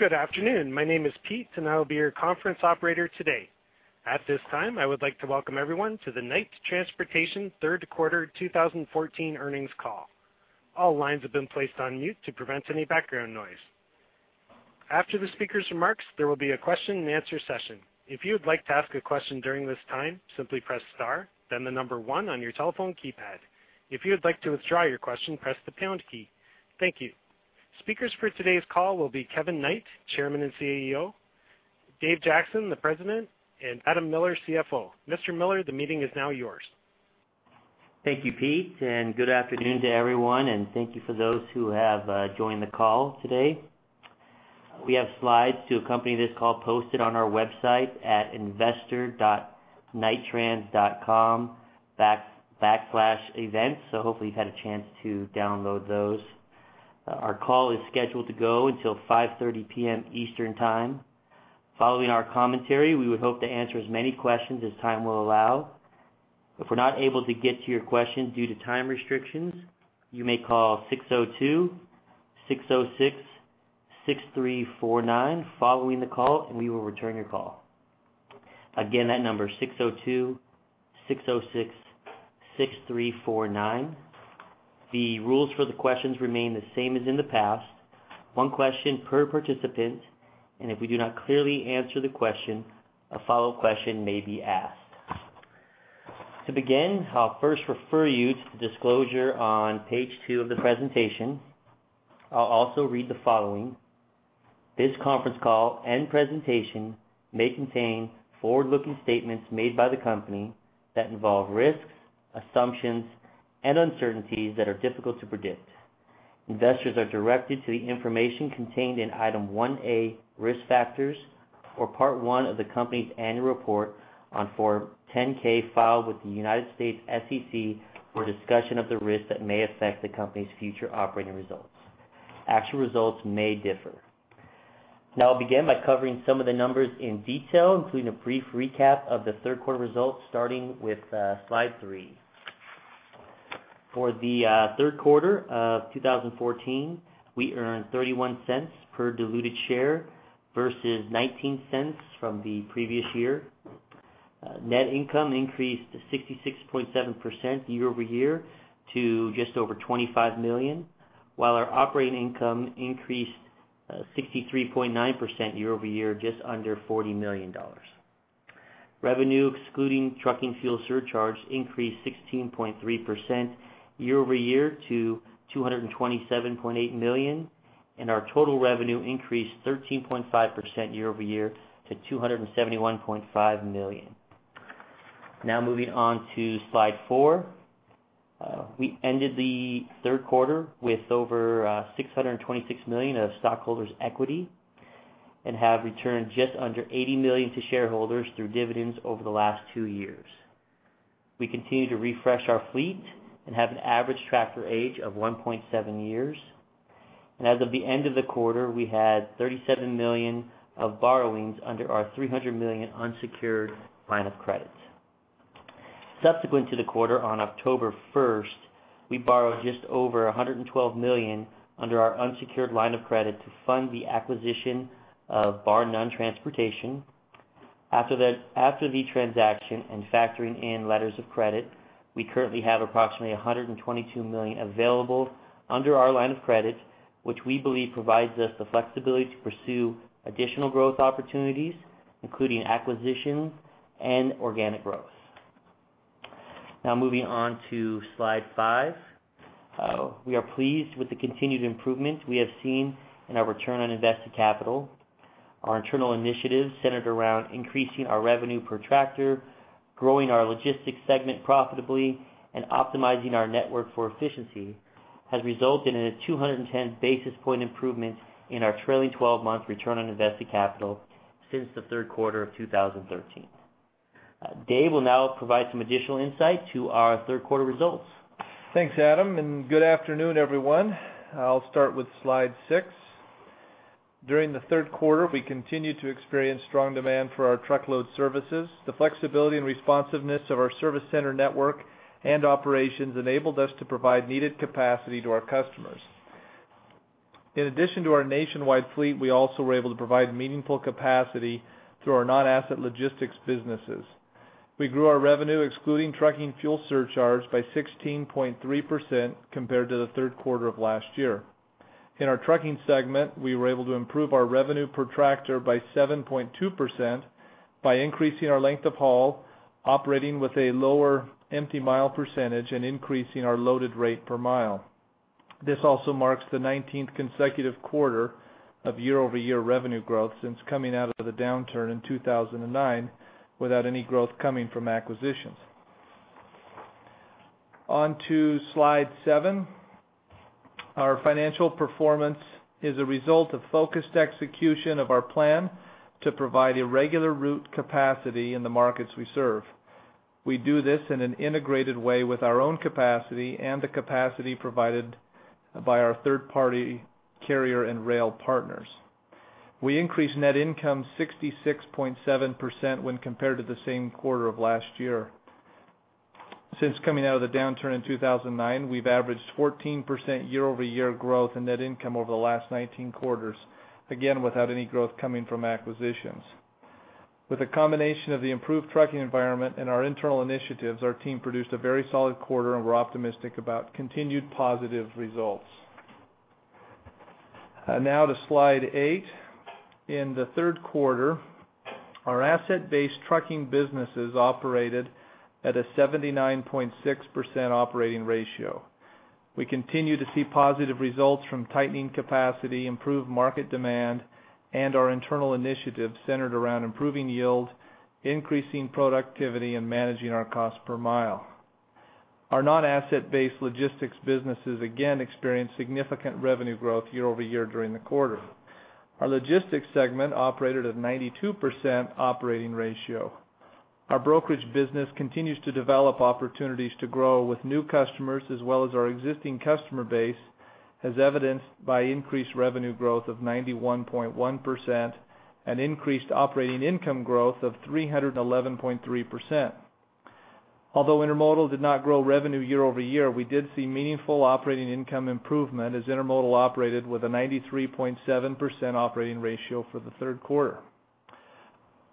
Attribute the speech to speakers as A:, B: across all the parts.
A: Good afternoon. My name is Pete, and I will be your conference operator today. At this time, I would like to welcome everyone to the Knight Transportation third quarter 2014 earnings call. All lines have been placed on mute to prevent any background noise. After the speaker's remarks, there will be a question-and-answer session. If you would like to ask a question during this time, simply press star, then 1 on your telephone keypad. If you would like to withdraw your question, press the pound key. Thank you. Speakers for today's call will be Kevin Knight, Chairman and CEO, Dave Jackson, the President, and Adam Miller, CFO. Mr. Miller, the meeting is now yours.
B: Thank you, Pete, and good afternoon to everyone, and thank you for those who have joined the call today. We have slides to accompany this call posted on our website at investor.knighttrans.com/events, so hopefully you've had a chance to download those. Our call is scheduled to go until 5:30 P.M. Eastern Time. Following our commentary, we would hope to answer as many questions as time will allow. If we're not able to get to your question due to time restrictions, you may call 602-606-6349 following the call, and we will return your call. Again, that number is 602-606-6349. The rules for the questions remain the same as in the past. One question per participant, and if we do not clearly answer the question, a follow-up question may be asked. To begin, I'll first refer you to the disclosure on page 2 of the presentation. I'll also read the following: This conference call and presentation may contain forward-looking statements made by the company that involve risks, assumptions, and uncertainties that are difficult to predict. Investors are directed to the information contained in Item 1A, Risk Factors, or Part One of the company's Annual Report on Form 10-K, filed with the U.S. SEC for a discussion of the risks that may affect the company's future operating results. Actual results may differ. Now I'll begin by covering some of the numbers in detail, including a brief recap of the third quarter results, starting with slide 3. For the third quarter of 2014, we earned $0.31 per diluted share versus $0.19 from the previous year. Net income increased to 66.7% year-over-year to just over $25 million, while our operating income increased 63.9% year-over-year, just under $40 million. Revenue, excluding trucking fuel surcharge, increased 16.3% year-over-year to $227.8 million, and our total revenue increased 13.5% year-over-year to $271.5 million. Now moving on to slide 4. We ended the third quarter with over $626 million of stockholders' equity and have returned just under $80 million to shareholders through dividends over the last two years. We continue to refresh our fleet and have an average tractor age of 1.7 years, and as of the end of the quarter, we had $37 million of borrowings under our $300 million unsecured line of credit. Subsequent to the quarter, on October 1, we borrowed just over $112 million under our unsecured line of credit to fund the acquisition of Barr-Nunn Transportation. After the transaction and factoring in letters of credit, we currently have approximately $122 million available under our line of credit, which we believe provides us the flexibility to pursue additional growth opportunities, including acquisitions and organic growth. Now moving on to Slide 5. We are pleased with the continued improvement we have seen in our return on invested capital. Our internal initiatives, centered around increasing our revenue per tractor, growing our logistics segment profitably, and optimizing our network for efficiency, has resulted in a 210 basis point improvement in our trailing twelve-month return on invested capital since the third quarter of 2013. Dave will now provide some additional insight to our third quarter results.
C: Thanks, Adam, and good afternoon, everyone. I'll start with Slide 6. During the third quarter, we continued to experience strong demand for our truckload services. The flexibility and responsiveness of our service center, network, and operations enabled us to provide needed capacity to our customers. In addition to our nationwide fleet, we also were able to provide meaningful capacity through our non-asset logistics businesses. We grew our revenue, excluding trucking fuel surcharges, by 16.3% compared to the third quarter of last year. In our trucking segment, we were able to improve our revenue per tractor by 7.2% by increasing our length of haul, operating with a lower empty mile percentage, and increasing our loaded rate per mile. This also marks the 19th consecutive quarter of year-over-year revenue growth since coming out of the downturn in 2009, without any growth coming from acquisitions. On to Slide 7. Our financial performance is a result of focused execution of our plan to provide irregular route capacity in the markets we serve. We do this in an integrated way with our own capacity and the capacity provided by our third-party carrier and rail partners. We increased net income 66.7% when compared to the same quarter of last year....Since coming out of the downturn in 2009, we've averaged 14% year-over-year growth in net income over the last 19 quarters, again, without any growth coming from acquisitions. With a combination of the improved trucking environment and our internal initiatives, our team produced a very solid quarter, and we're optimistic about continued positive results. Now to Slide 8. In the third quarter, our asset-based trucking businesses operated at a 79.6% operating ratio. We continue to see positive results from tightening capacity, improved market demand, and our internal initiatives centered around improving yield, increasing productivity, and managing our cost per mile. Our non-asset-based logistics businesses, again, experienced significant revenue growth year over year during the quarter. Our logistics segment operated at 92% operating ratio. Our brokerage business continues to develop opportunities to grow with new customers, as well as our existing customer base, as evidenced by increased revenue growth of 91.1% and increased operating income growth of 311.3%. Although intermodal did not grow revenue year-over-year, we did see meaningful operating income improvement, as intermodal operated with a 93.7% operating ratio for the third quarter.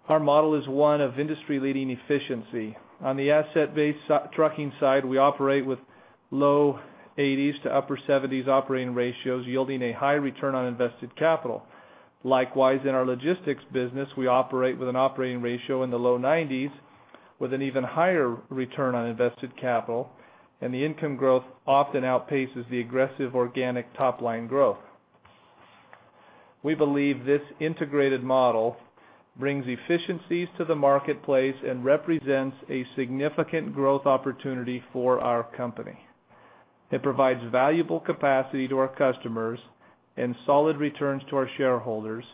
C: Our model is one of industry-leading efficiency. On the asset-based trucking side, we operate with low 80s-upper 70s operating ratios, yielding a high return on invested capital. Likewise, in our logistics business, we operate with an operating ratio in the low 90s, with an even higher return on invested capital, and the income growth often outpaces the aggressive organic top-line growth. We believe this integrated model brings efficiencies to the marketplace and represents a significant growth opportunity for our company. It provides valuable capacity to our customers and solid returns to our shareholders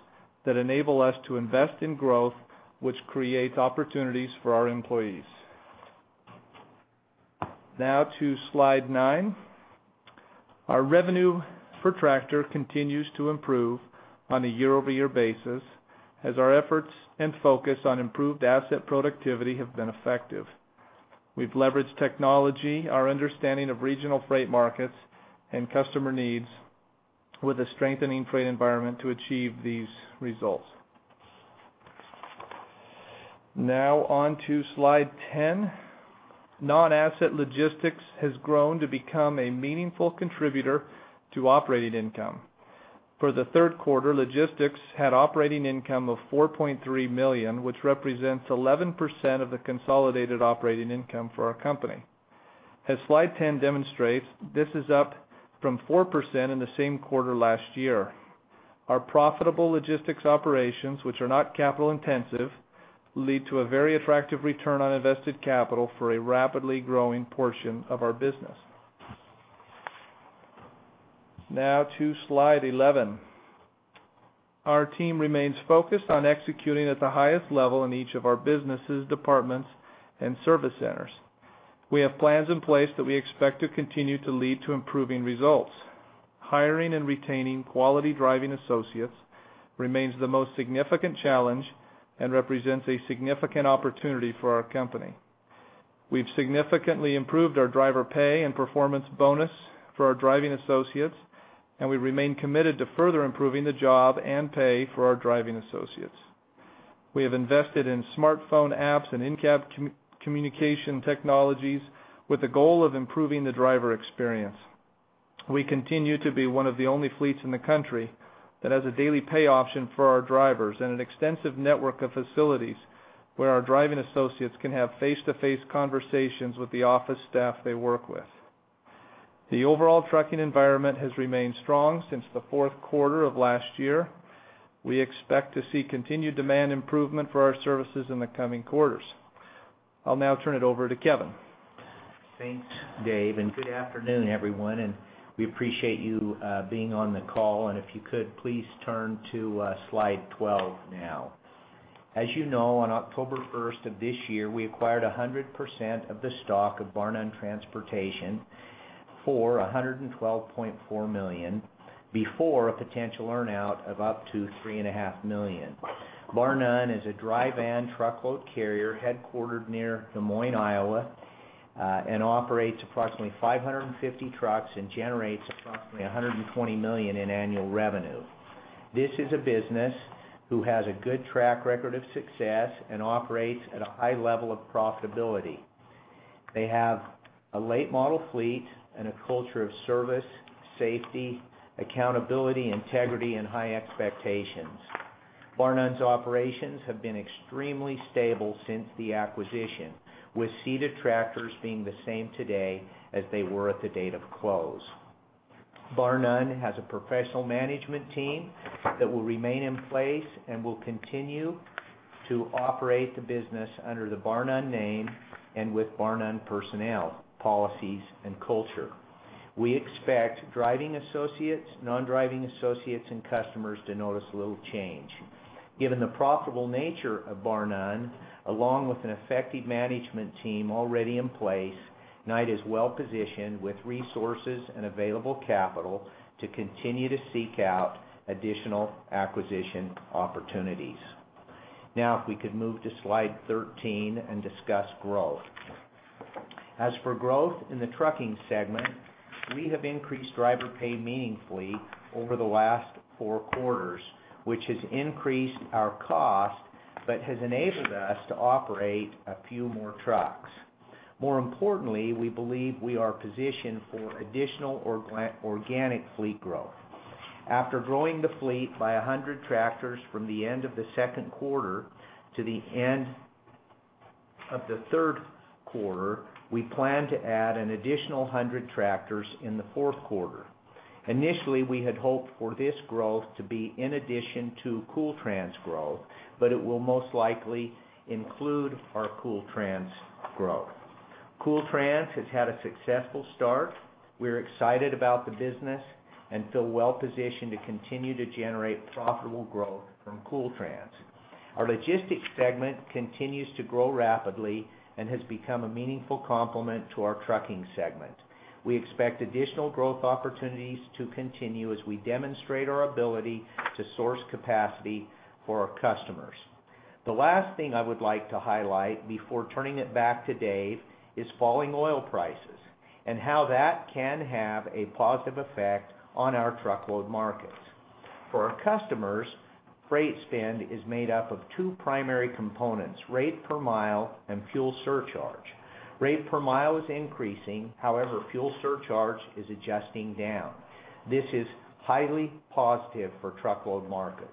C: that enable us to invest in growth, which creates opportunities for our employees. Now to Slide 9. Our revenue per tractor continues to improve on a year-over-year basis, as our efforts and focus on improved asset productivity have been effective. We've leveraged technology, our understanding of regional freight markets and customer needs, with a strengthening trade environment to achieve these results. Now on to Slide 10. Non-asset logistics has grown to become a meaningful contributor to operating income. For the third quarter, logistics had operating income of $4.3 million, which represents 11% of the consolidated operating income for our company. As Slide 10 demonstrates, this is up from 4% in the same quarter last year. Our profitable logistics operations, which are not capital-intensive, lead to a very attractive return on invested capital for a rapidly growing portion of our business. Now to Slide 11. Our team remains focused on executing at the highest level in each of our businesses, departments, and service centers. We have plans in place that we expect to continue to lead to improving results. Hiring and retaining quality driving associates remains the most significant challenge and represents a significant opportunity for our company. We've significantly improved our driver pay and performance bonus for our driving associates, and we remain committed to further improving the job and pay for our driving associates. We have invested in smartphone apps and in-cab communication technologies with the goal of improving the driver experience. We continue to be one of the only fleets in the country that has a daily pay option for our drivers and an extensive network of facilities where our driving associates can have face-to-face conversations with the office staff they work with. The overall trucking environment has remained strong since the fourth quarter of last year. We expect to see continued demand improvement for our services in the coming quarters. I'll now turn it over to Kevin.
D: Thanks, Dave, and good afternoon, everyone, and we appreciate you being on the call. And if you could, please turn to slide 12 now. As you know, on October first of this year, we acquired 100% of the stock of Barr-Nunn Transportation for $112.4 million, before a potential earn-out of up to $3.5 million. Barr-Nunn is a dry van truckload carrier headquartered near Des Moines, Iowa, and operates approximately 550 trucks and generates approximately $120 million in annual revenue. This is a business who has a good track record of success and operates at a high level of profitability. They have a late-model fleet and a culture of service, safety, accountability, integrity, and high expectations. Barr-Nunn's operations have been extremely stable since the acquisition, with seated tractors being the same today as they were at the date of close. Barr-Nunn has a professional management team that will remain in place and will continue to operate the business under the Barr-Nunn name and with Barr-Nunn personnel, policies, and culture. We expect driving associates, non-driving associates, and customers to notice little change. Given the profitable nature of Barr-Nunn, along with an effective management team already in place, Knight is well positioned with resources and available capital to continue to seek out additional acquisition opportunities. Now, if we could move to Slide 13 and discuss growth. As for growth in the trucking segment, we have increased driver pay meaningfully over the last four quarters, which has increased our cost but has enabled us to operate a few more trucks. More importantly, we believe we are positioned for additional organic fleet growth. After growing the fleet by 100 tractors from the end of the second quarter to the end of the third quarter, we plan to add an additional 100 tractors in the fourth quarter. Initially, we had hoped for this growth to be in addition to Kool Trans growth, but it will most likely include our Kool Trans growth. Kool Trans has had a successful start. We're excited about the business and feel well-positioned to continue to generate profitable growth from Kool Trans. Our logistics segment continues to grow rapidly and has become a meaningful complement to our trucking segment. We expect additional growth opportunities to continue as we demonstrate our ability to source capacity for our customers. The last thing I would like to highlight before turning it back to Dave is falling oil prices and how that can have a positive effect on our truckload markets. For our customers, freight spend is made up of two primary components: rate per mile and fuel surcharge. Rate per mile is increasing. However, fuel surcharge is adjusting down. This is highly positive for truckload markets.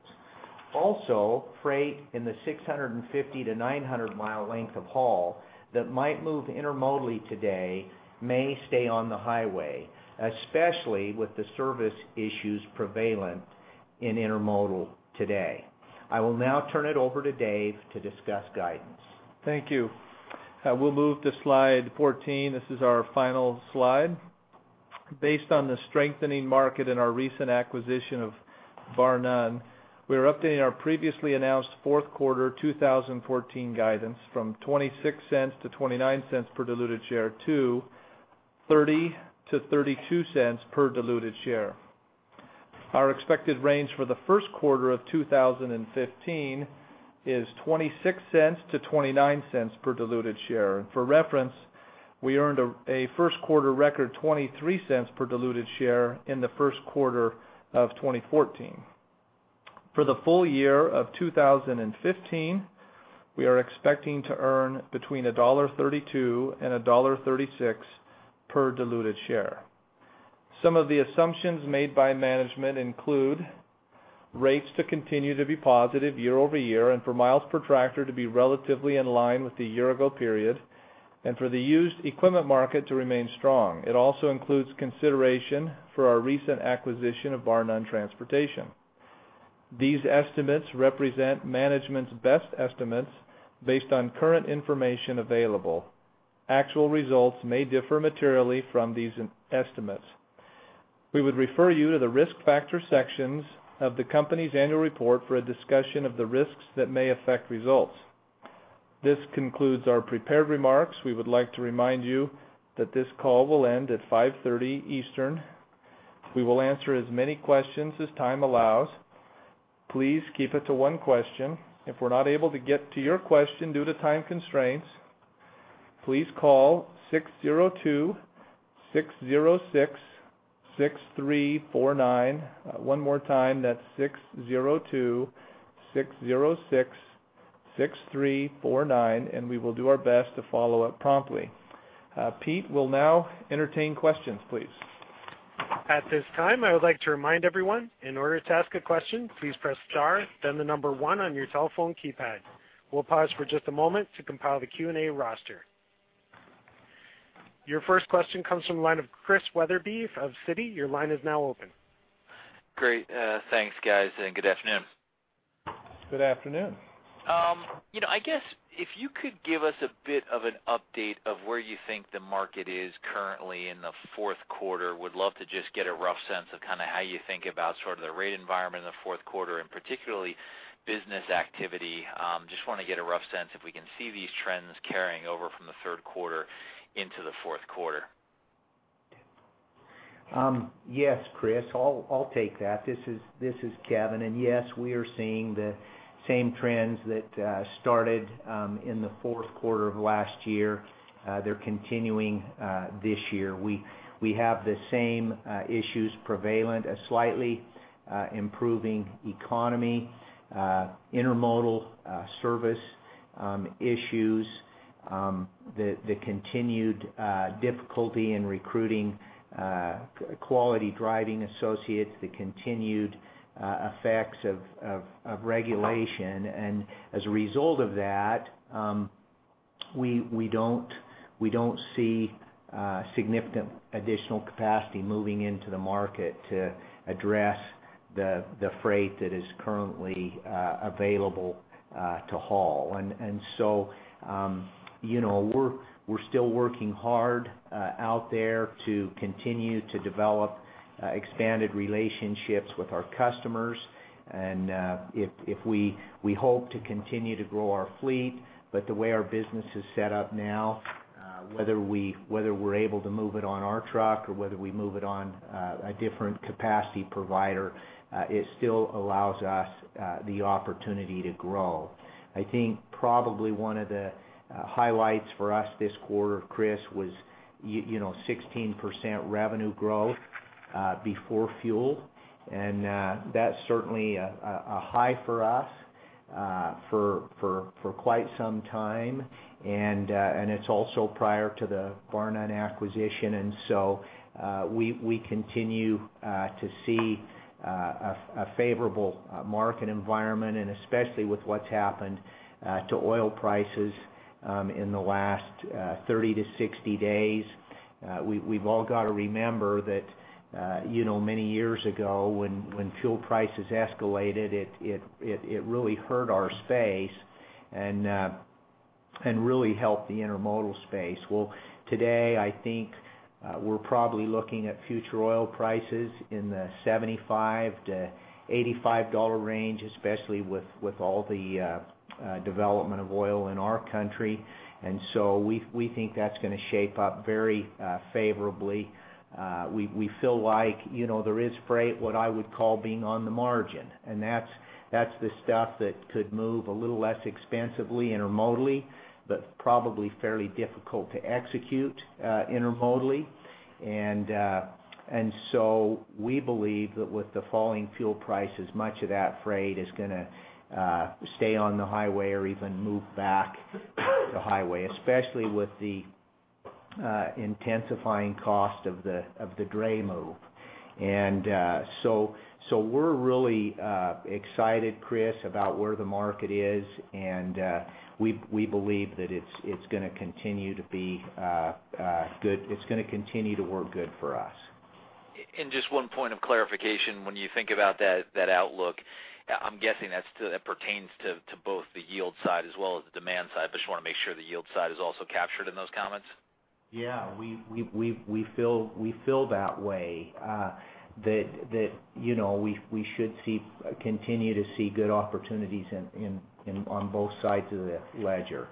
D: Also, freight in the 650-900-mile length of haul that might move intermodally today may stay on the highway, especially with the service issues prevalent in intermodal today. I will now turn it over to Dave to discuss guidance.
C: Thank you. I will move to Slide 14. This is our final slide. Based on the strengthening market and our recent acquisition of Barr-Nunn, we are updating our previously announced fourth quarter 2014 guidance from $0.26-$0.29 per diluted share to $0.30-$0.32 per diluted share. Our expected range for the first quarter of 2015 is $0.26-$0.29 per diluted share. For reference, we earned a first quarter record $0.23 per diluted share in the first quarter of 2014. For the full year of 2015, we are expecting to earn between $1.32 and $1.36 per diluted share. Some of the assumptions made by management include rates to continue to be positive year-over-year, and for miles per tractor to be relatively in line with the year-ago period, and for the used equipment market to remain strong. It also includes consideration for our recent acquisition of Barr-Nunn Transportation. These estimates represent management's best estimates based on current information available. Actual results may differ materially from these estimates. We would refer you to the Risk Factors sections of the company's annual report for a discussion of the risks that may affect results. This concludes our prepared remarks. We would like to remind you that this call will end at 5:30 P.M. Eastern. We will answer as many questions as time allows. Please keep it to one question. If we're not able to get to your question due to time constraints, please call 602-606-6349. One more time, that's 602-606-6349, and we will do our best to follow up promptly. Pete, we'll now entertain questions, please.
A: At this time, I would like to remind everyone, in order to ask a question, please press star, then the number one on your telephone keypad. We'll pause for just a moment to compile the Q&A roster. Your first question comes from the line of Chris Wetherbee of Citi. Your line is now open.
E: Great. Thanks, guys, and good afternoon.
C: Good afternoon.
E: You know, I guess if you could give us a bit of an update of where you think the market is currently in the fourth quarter. Would love to just get a rough sense of kind of how you think about sort of the rate environment in the fourth quarter, and particularly business activity. Just want to get a rough sense if we can see these trends carrying over from the third quarter into the fourth quarter.
D: Yes, Chris, I'll take that. This is Kevin. And yes, we are seeing the same trends that started in the fourth quarter of last year. They're continuing this year. We have the same issues prevalent, a slightly improving economy, intermodal service issues, the continued difficulty in recruiting quality driving associates, the continued effects of regulation. And as a result of that, we don't see significant additional capacity moving into the market to address the freight that is currently available to haul. And so, you know, we're still working hard out there to continue to develop expanded relationships with our customers. And, if we hope to continue to grow our fleet, but the way our business is set up now, whether we're able to move it on our truck or whether we move it on a different capacity provider, it still allows us the opportunity to grow. I think probably one of the highlights for us this quarter, Chris, was you know, 16% revenue growth before fuel, and that's certainly a high for us for quite some time. And it's also prior to the Barr-Nunn acquisition, and so we continue to see a favorable market environment, and especially with what's happened to oil prices in the last 30-60 days. We've all got to remember that, you know, many years ago, when fuel prices escalated, it really hurt our space and really helped the intermodal space. Well, today, I think, we're probably looking at future oil prices in the $75-$85 dollar range, especially with all the development of oil in our country. And so we think that's going to shape up very favorably. We feel like, you know, there is freight, what I would call being on the margin, and that's the stuff that could move a little less expensively intermodally, but probably fairly difficult to execute intermodally. And so we believe that with the falling fuel prices, much of that freight is going to stay on the highway or even move back to highway, especially with the intensifying cost of the dray move. So we're really excited, Chris, about where the market is, and we believe that it's going to continue to be good. It's going to continue to work good for us.
E: Just one point of clarification. When you think about that, that outlook, I'm guessing that's to... it pertains to, to both the yield side as well as the demand side. I just want to make sure the yield side is also captured in those comments.
D: Yeah, we feel that way, you know, we should continue to see good opportunities in on both sides of the ledger.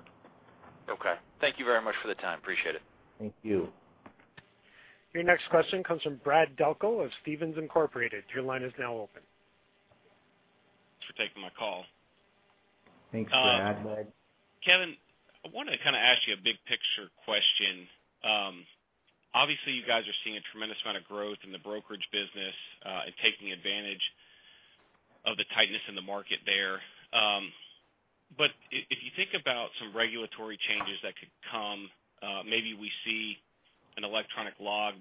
E: Okay. Thank you very much for the time. Appreciate it.
D: Thank you.
A: Your next question comes from Brad Delco of Stephens Inc. Your line is now open.
F: Thanks for taking my call.
D: Thanks, Brad.
F: Kevin, I wanted to kind of ask you a big picture question. Obviously, you guys are seeing a tremendous amount of growth in the brokerage business and taking advantage of the tightness in the market there. But if you think about some regulatory changes that could come, maybe we see an electronic log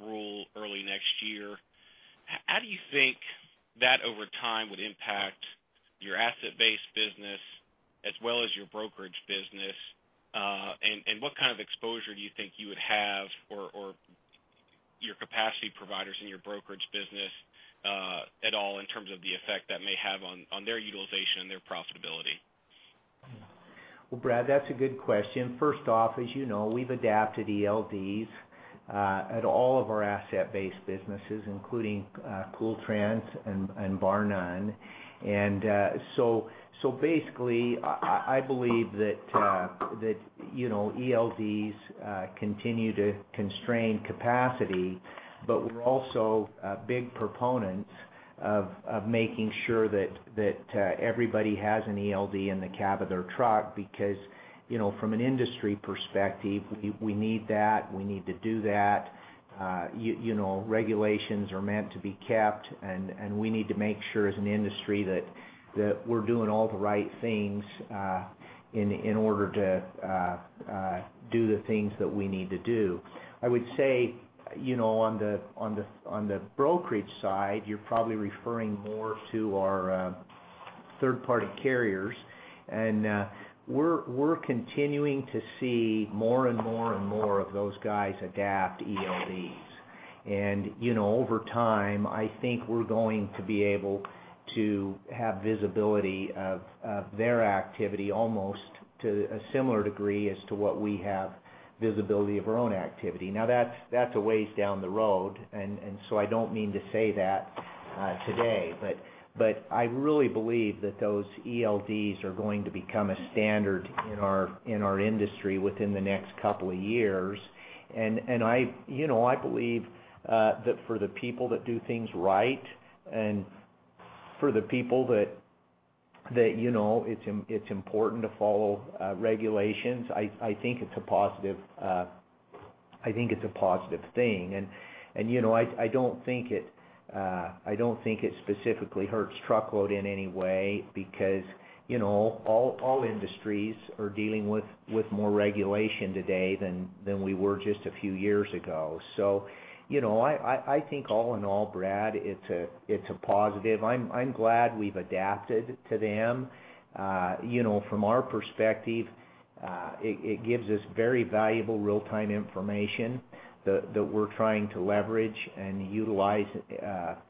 F: rule early next year. How do you think that over time would impact your asset-based business as well as your brokerage business? And what kind of exposure do you think you would have or your capacity providers in your brokerage business at all, in terms of the effect that may have on their utilization and their profitability?
D: Well, Brad, that's a good question. First off, as you know, we've adapted ELDs at all of our asset-based businesses, including Kool Trans and Barr-Nunn. So basically, I believe that, you know, ELDs continue to constrain capacity, but we're also big proponents of making sure that everybody has an ELD in the cab of their truck, because, you know, from an industry perspective, we need that. We need to do that. You know, regulations are meant to be kept, and we need to make sure, as an industry, that we're doing all the right things in order to do the things that we need to do. I would say, you know, on the brokerage side, you're probably referring more to our third-party carriers. And we're continuing to see more and more and more of those guys adapt to ELDs. And, you know, over time, I think we're going to be able to have visibility of their activity almost to a similar degree as to what we have visibility of our own activity. Now that's a ways down the road, and so I don't mean to say that today, but I really believe that those ELDs are going to become a standard in our industry within the next couple of years. I, you know, I believe that for the people that do things right and for the people that, you know, it's important to follow regulations. I think it's a positive. I think it's a positive thing. You know, I don't think it specifically hurts truckload in any way because, you know, all industries are dealing with more regulation today than we were just a few years ago. So, you know, I think all in all, Brad, it's a positive. I'm glad we've adapted to them. You know, from our perspective, it gives us very valuable real-time information that we're trying to leverage and utilize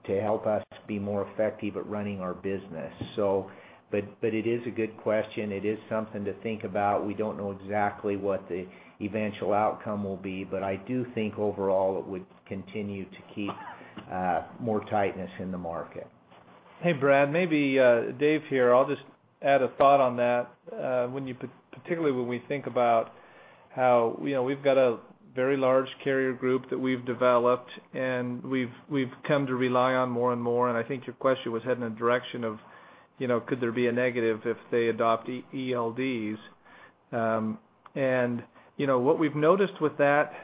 D: to help us be more effective at running our business. But it is a good question. It is something to think about. We don't know exactly what the eventual outcome will be, but I do think overall it would continue to keep more tightness in the market....
C: Hey, Brad, maybe, Dave here, I'll just add a thought on that. When you-- particularly, when we think about how, you know, we've got a very large carrier group that we've developed, and we've come to rely on more and more, and I think your question was heading in a direction of, you know, could there be a negative if they adopt ELDs? And, you know, what we've noticed with that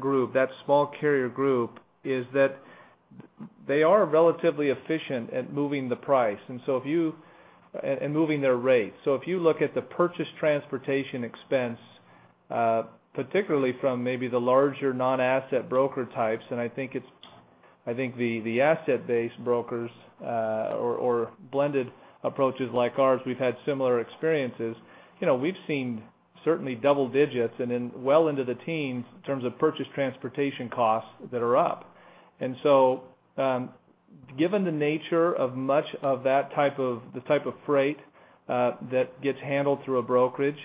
C: group, that small carrier group, is that they are relatively efficient at moving the price. And so if you and moving their rate. So if you look at the purchased transportation expense, particularly from maybe the larger non-asset broker types, and I think the asset-based brokers, or blended approaches like ours, we've had similar experiences. You know, we've seen certainly double digits and then well into the teens in terms of purchased transportation costs that are up. And so, given the nature of much of that type of freight that gets handled through a brokerage,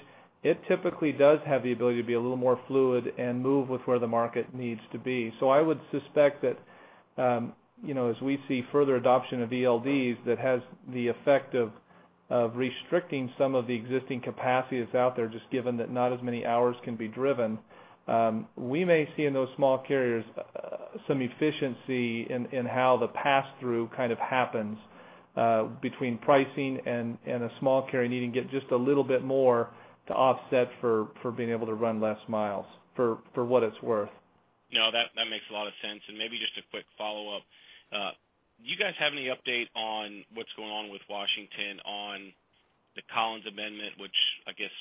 C: it typically does have the ability to be a little more fluid and move with where the market needs to be. So I would suspect that, you know, as we see further adoption of ELDs, that has the effect of restricting some of the existing capacity that's out there, just given that not as many hours can be driven. We may see in those small carriers some efficiency in how the pass-through kind of happens between pricing and a small carrier needing to get just a little bit more to offset for being able to run less miles, for what it's worth.
F: No, that, that makes a lot of sense. And maybe just a quick follow-up. Do you guys have any update on what's going on with Washington on the Collins Amendment, which I guess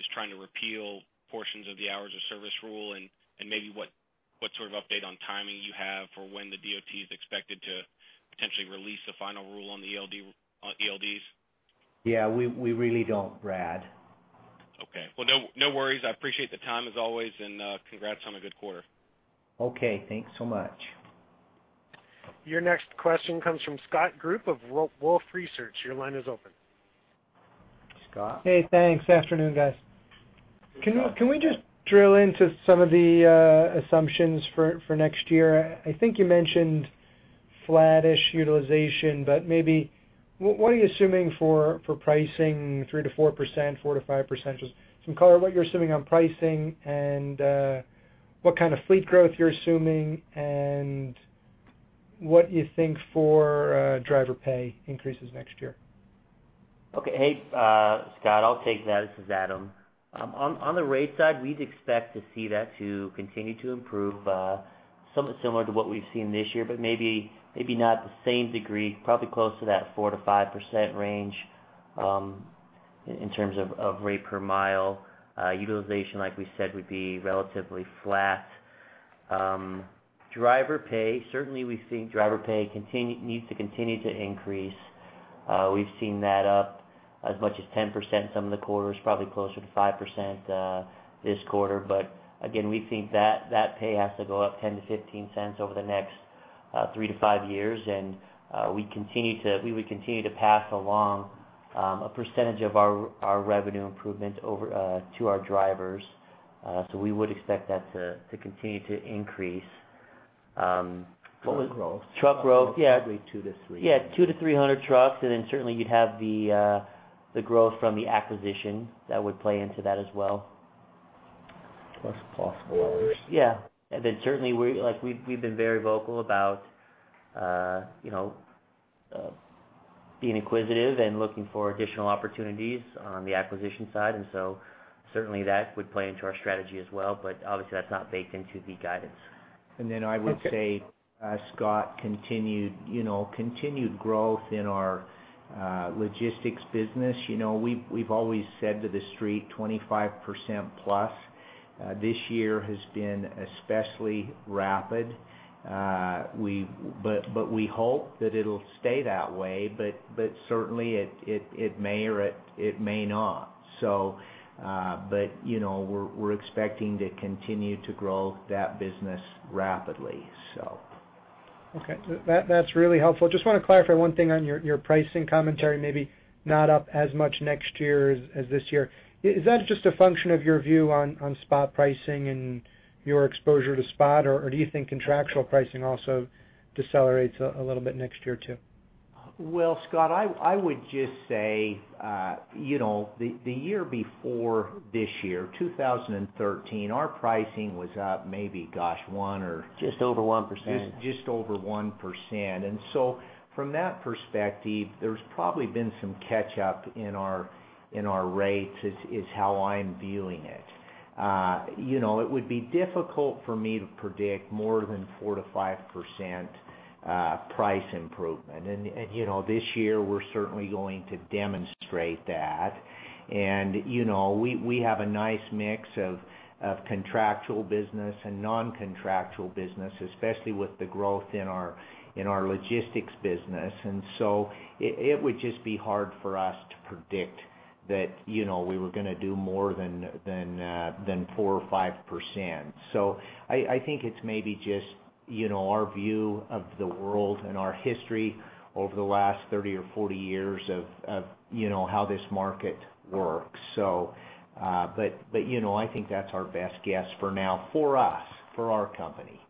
F: is trying to repeal portions of the Hours of Service rule? And, and maybe what, what sort of update on timing you have for when the DOT is expected to potentially release the final rule on the ELD, on ELDs?
D: Yeah, we really don't, Brad.
F: Okay. Well, no, no worries. I appreciate the time, as always, and, congrats on a good quarter.
D: Okay, thanks so much.
A: Your next question comes from Scott Group of Wolfe Research. Your line is open.
D: Scott?
G: Hey, thanks. Afternoon, guys.
D: Good afternoon.
G: Can we just drill into some of the assumptions for next year? I think you mentioned flattish utilization, but maybe what are you assuming for pricing, 3%-4%, 4%-5%? Just some color on what you're assuming on pricing and what kind of fleet growth you're assuming, and what you think for driver pay increases next year.
C: Okay. Hey, Scott, I'll take that. This is Adam. On the rate side, we'd expect to see that to continue to improve, somewhat similar to what we've seen this year, but maybe, maybe not the same degree, probably close to that 4%-5% range, in terms of rate per mile. Utilization, like we said, would be relatively flat. Driver pay, certainly, we think driver pay needs to continue to increase. We've seen that up as much as 10%, some of the quarters, probably closer to 5%, this quarter. But again, we think that that pay has to go up 10-15 cents over the next 3-5 years. And we would continue to pass along a percentage of our revenue improvements over to our drivers. So we would expect that to continue to increase. What was-
D: Truck growth.
C: Truck growth, yeah.
D: Probably 2-3.
C: Yeah, 200-300 trucks, and then certainly you'd have the growth from the acquisition that would play into that as well.
D: Plus possible others.
C: Yeah. And then certainly, we—like, we've, we've been very vocal about, you know, being acquisitive and looking for additional opportunities on the acquisition side, and so certainly that would play into our strategy as well. But obviously, that's not baked into the guidance.
G: Okay.
D: And then I would say, Scott, continued, you know, continued growth in our, logistics business. You know, we've always said to the street, 25% plus. This year has been especially rapid. But we hope that it'll stay that way, but certainly, it may or it may not. So, you know, we're expecting to continue to grow that business rapidly, so.
G: Okay. That, that's really helpful. Just want to clarify one thing on your, your pricing commentary, maybe not up as much next year as, as this year. Is that just a function of your view on, on spot pricing and your exposure to spot, or, or do you think contractual pricing also decelerates a little bit next year, too?
D: Well, Scott, I would just say, you know, the year before this year, 2013, our pricing was up, maybe, gosh, one or-
C: Just over 1%.
D: Just over 1%. And so from that perspective, there's probably been some catch up in our rates. That's how I'm viewing it. You know, it would be difficult for me to predict more than 4%-5% price improvement. And, you know, this year, we're certainly going to demonstrate that. And, you know, we have a nice mix of contractual business and non-contractual business, especially with the growth in our logistics business, and so it would just be hard for us to predict that, you know, we were going to do more than 4%-5%. So I think it's maybe just, you know, our view of the world and our history over the last 30 or 40 years of, you know, how this market works. But you know, I think that's our best guess for now, for us, for our company.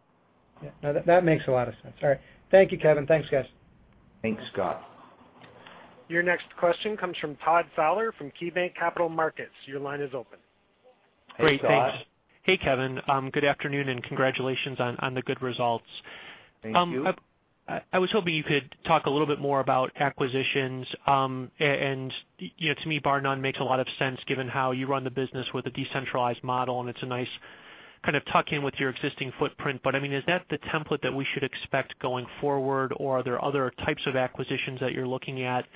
G: Yeah. No, that makes a lot of sense. All right. Thank you, Kevin. Thanks, guys.
D: Thanks, Scott.
A: ...Your next question comes from Todd Fowler from KeyBanc Capital Markets. Your line is open.
H: Great, thanks.
D: Hey, Todd.
H: Hey, Kevin. Good afternoon, and congratulations on the good results.
D: Thank you.
H: I was hoping you could talk a little bit more about acquisitions. And, you know, to me, Barr-Nunn makes a lot of sense, given how you run the business with a decentralized model, and it's a nice kind of tuck in with your existing footprint. But I mean, is that the template that we should expect going forward, or are there other types of acquisitions that you're looking at?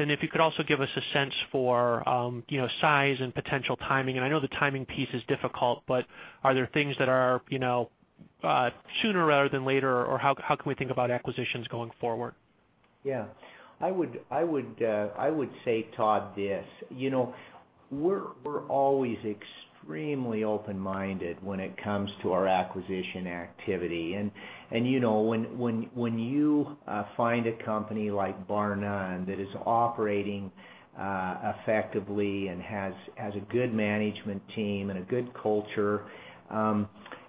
H: And if you could also give us a sense for, you know, size and potential timing, and I know the timing piece is difficult, but are there things that are, you know, sooner rather than later? Or how can we think about acquisitions going forward?
D: Yeah. I would say, Todd, this, you know, we're always extremely open-minded when it comes to our acquisition activity. And you know, when you find a company like Barr-Nunn that is operating effectively and has a good management team and a good culture,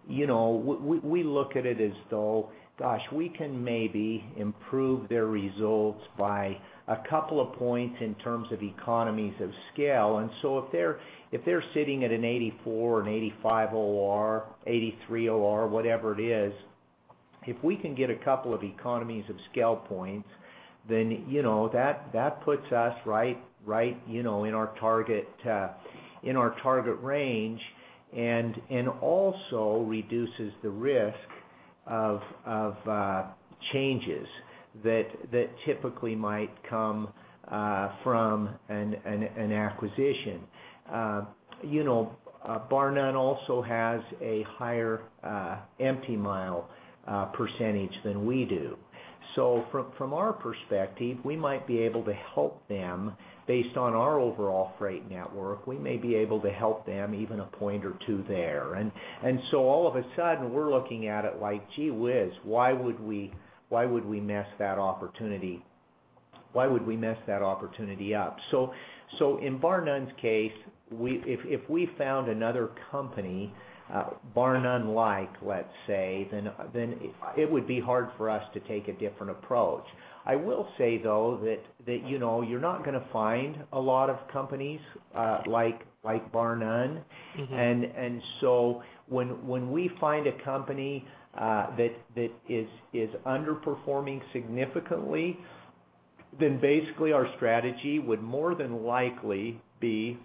D: you know, we look at it as though, gosh, we can maybe improve their results by a couple of points in terms of economies of scale. And so if they're sitting at an 84, an 85 OR, 83 OR, whatever it is, if we can get a couple of economies of scale points, then, you know, that puts us right, you know, in our target range, and also reduces the risk of changes that typically might come from an acquisition. You know, Barr-Nunn also has a higher empty mile percentage than we do. So from our perspective, we might be able to help them based on our overall freight network, we may be able to help them even a point or two there. And so all of a sudden, we're looking at it like, gee whiz, why would we, why would we miss that opportunity, why would we miss that opportunity up? So in Barr-Nunn's case, we, if we found another company, Barr-Nunn like, let's say, then it would be hard for us to take a different approach. I will say, though, that you know, you're not gonna find a lot of companies, like Barr-Nunn.
H: Mm-hmm.
D: And so when we find a company that is underperforming significantly, then basically our strategy would more than likely be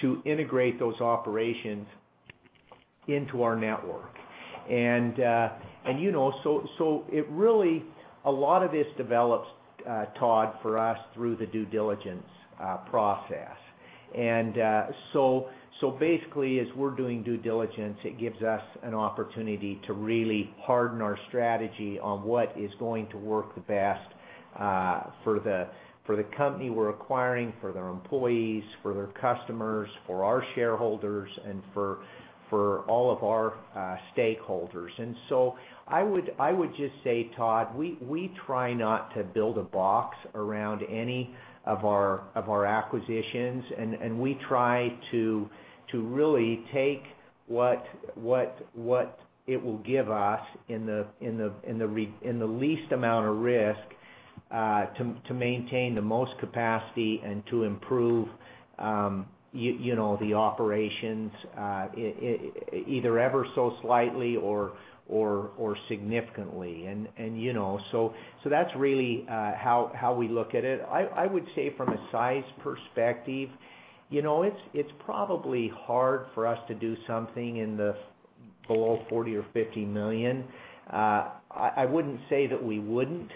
D: to integrate those operations into our network. You know, so it really, a lot of this develops, Todd, for us through the due diligence process. So basically, as we're doing due diligence, it gives us an opportunity to really harden our strategy on what is going to work the best for the company we're acquiring, for their employees, for their customers, for our shareholders, and for all of our stakeholders. So I would just say, Todd, we try not to build a box around any of our acquisitions, and we try to really take what it will give us in the realm in the least amount of risk, to maintain the most capacity and to improve, you know, the operations, either ever so slightly or significantly. And you know, so that's really how we look at it. I would say from a size perspective, you know, it's probably hard for us to do something below $40 million or $50 million. I wouldn't say that we wouldn't.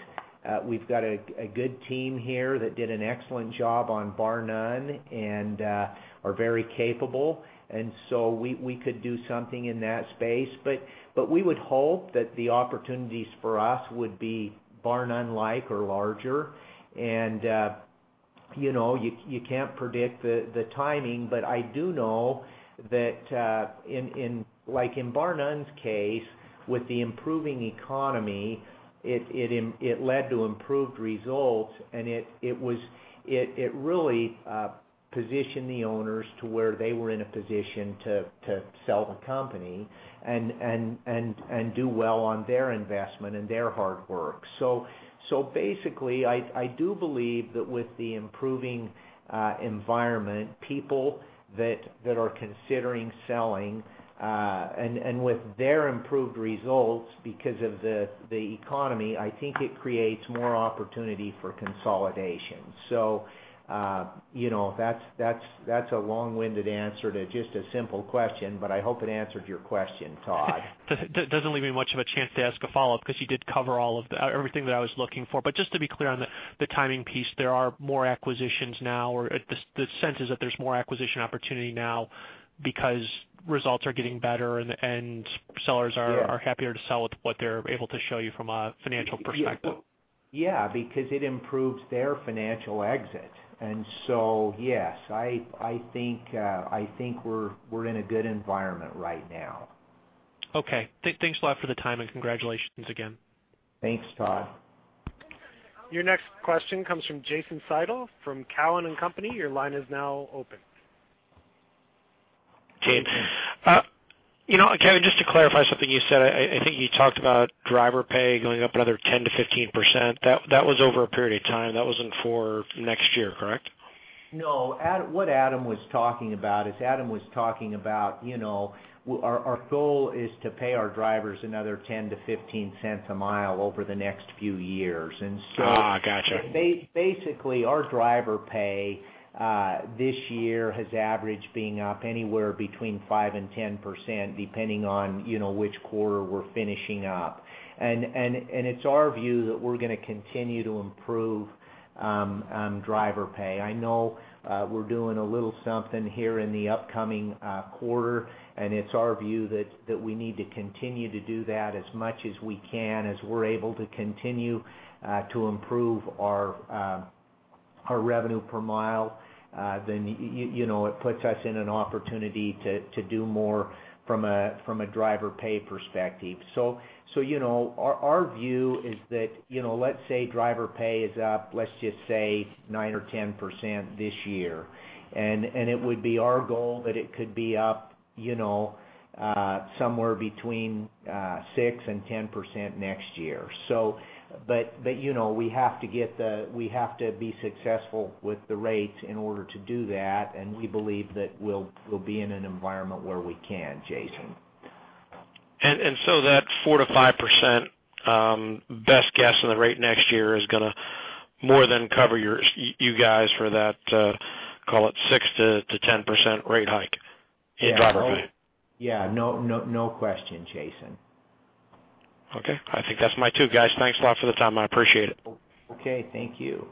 D: We've got a good team here that did an excellent job on Barr-Nunn and are very capable, and so we could do something in that space. But we would hope that the opportunities for us would be Barr-Nunn-like or larger. And you know, you can't predict the timing, but I do know that in, like in Barr-Nunn's case, with the improving economy, it led to improved results, and it was, it really positioned the owners to where they were in a position to sell the company and do well on their investment and their hard work. Basically, I do believe that with the improving environment, people that are considering selling and with their improved results, because of the economy, I think it creates more opportunity for consolidation. So, you know, that's a long-winded answer to just a simple question, but I hope it answered your question, Todd.
H: Doesn't leave me much of a chance to ask a follow-up, because you did cover all of everything that I was looking for. But just to be clear on the timing piece, there are more acquisitions now, or the sense is that there's more acquisition opportunity now because results are getting better, and sellers are-
D: Yeah...
H: are happier to sell with what they're able to show you from a financial perspective?
D: Yeah, because it improves their financial exit. And so, yes, I, I think, I think we're, we're in a good environment right now.
H: Okay. Thanks a lot for the time, and congratulations again.
D: Thanks, Todd.
A: Your next question comes from Jason Seidl, from Cowen and Company. Your line is now open. ...
I: team. You know, Kevin, just to clarify something you said, I think you talked about driver pay going up another 10%-15%. That was over a period of time. That wasn't for next year, correct?
D: No, what Adam was talking about is, you know, our goal is to pay our drivers another 10-15 cents a mile over the next few years. And so-
I: Ah, gotcha.
D: Basically, our driver pay this year has averaged being up anywhere between 5%-10%, depending on, you know, which quarter we're finishing up. And it's our view that we're gonna continue to improve driver pay. I know we're doing a little something here in the upcoming quarter, and it's our view that we need to continue to do that as much as we can. As we're able to continue to improve our revenue per mile, then you know, it puts us in an opportunity to do more from a driver pay perspective. So, you know, our view is that, you know, let's say driver pay is up, let's just say 9 or 10% this year, and it would be our goal that it could be up, you know, somewhere between 6%-10% next year. So, but, you know, we have to get we have to be successful with the rates in order to do that, and we believe that we'll be in an environment where we can, Jason.
I: So that 4%-5% best guess on the rate next year is gonna more than cover you guys for that, call it 6%-10% rate hike in driver pay?
D: Yeah, no, no, no question, Jason.
I: Okay. I think that's my two, guys. Thanks a lot for the time. I appreciate it.
D: Okay, thank you.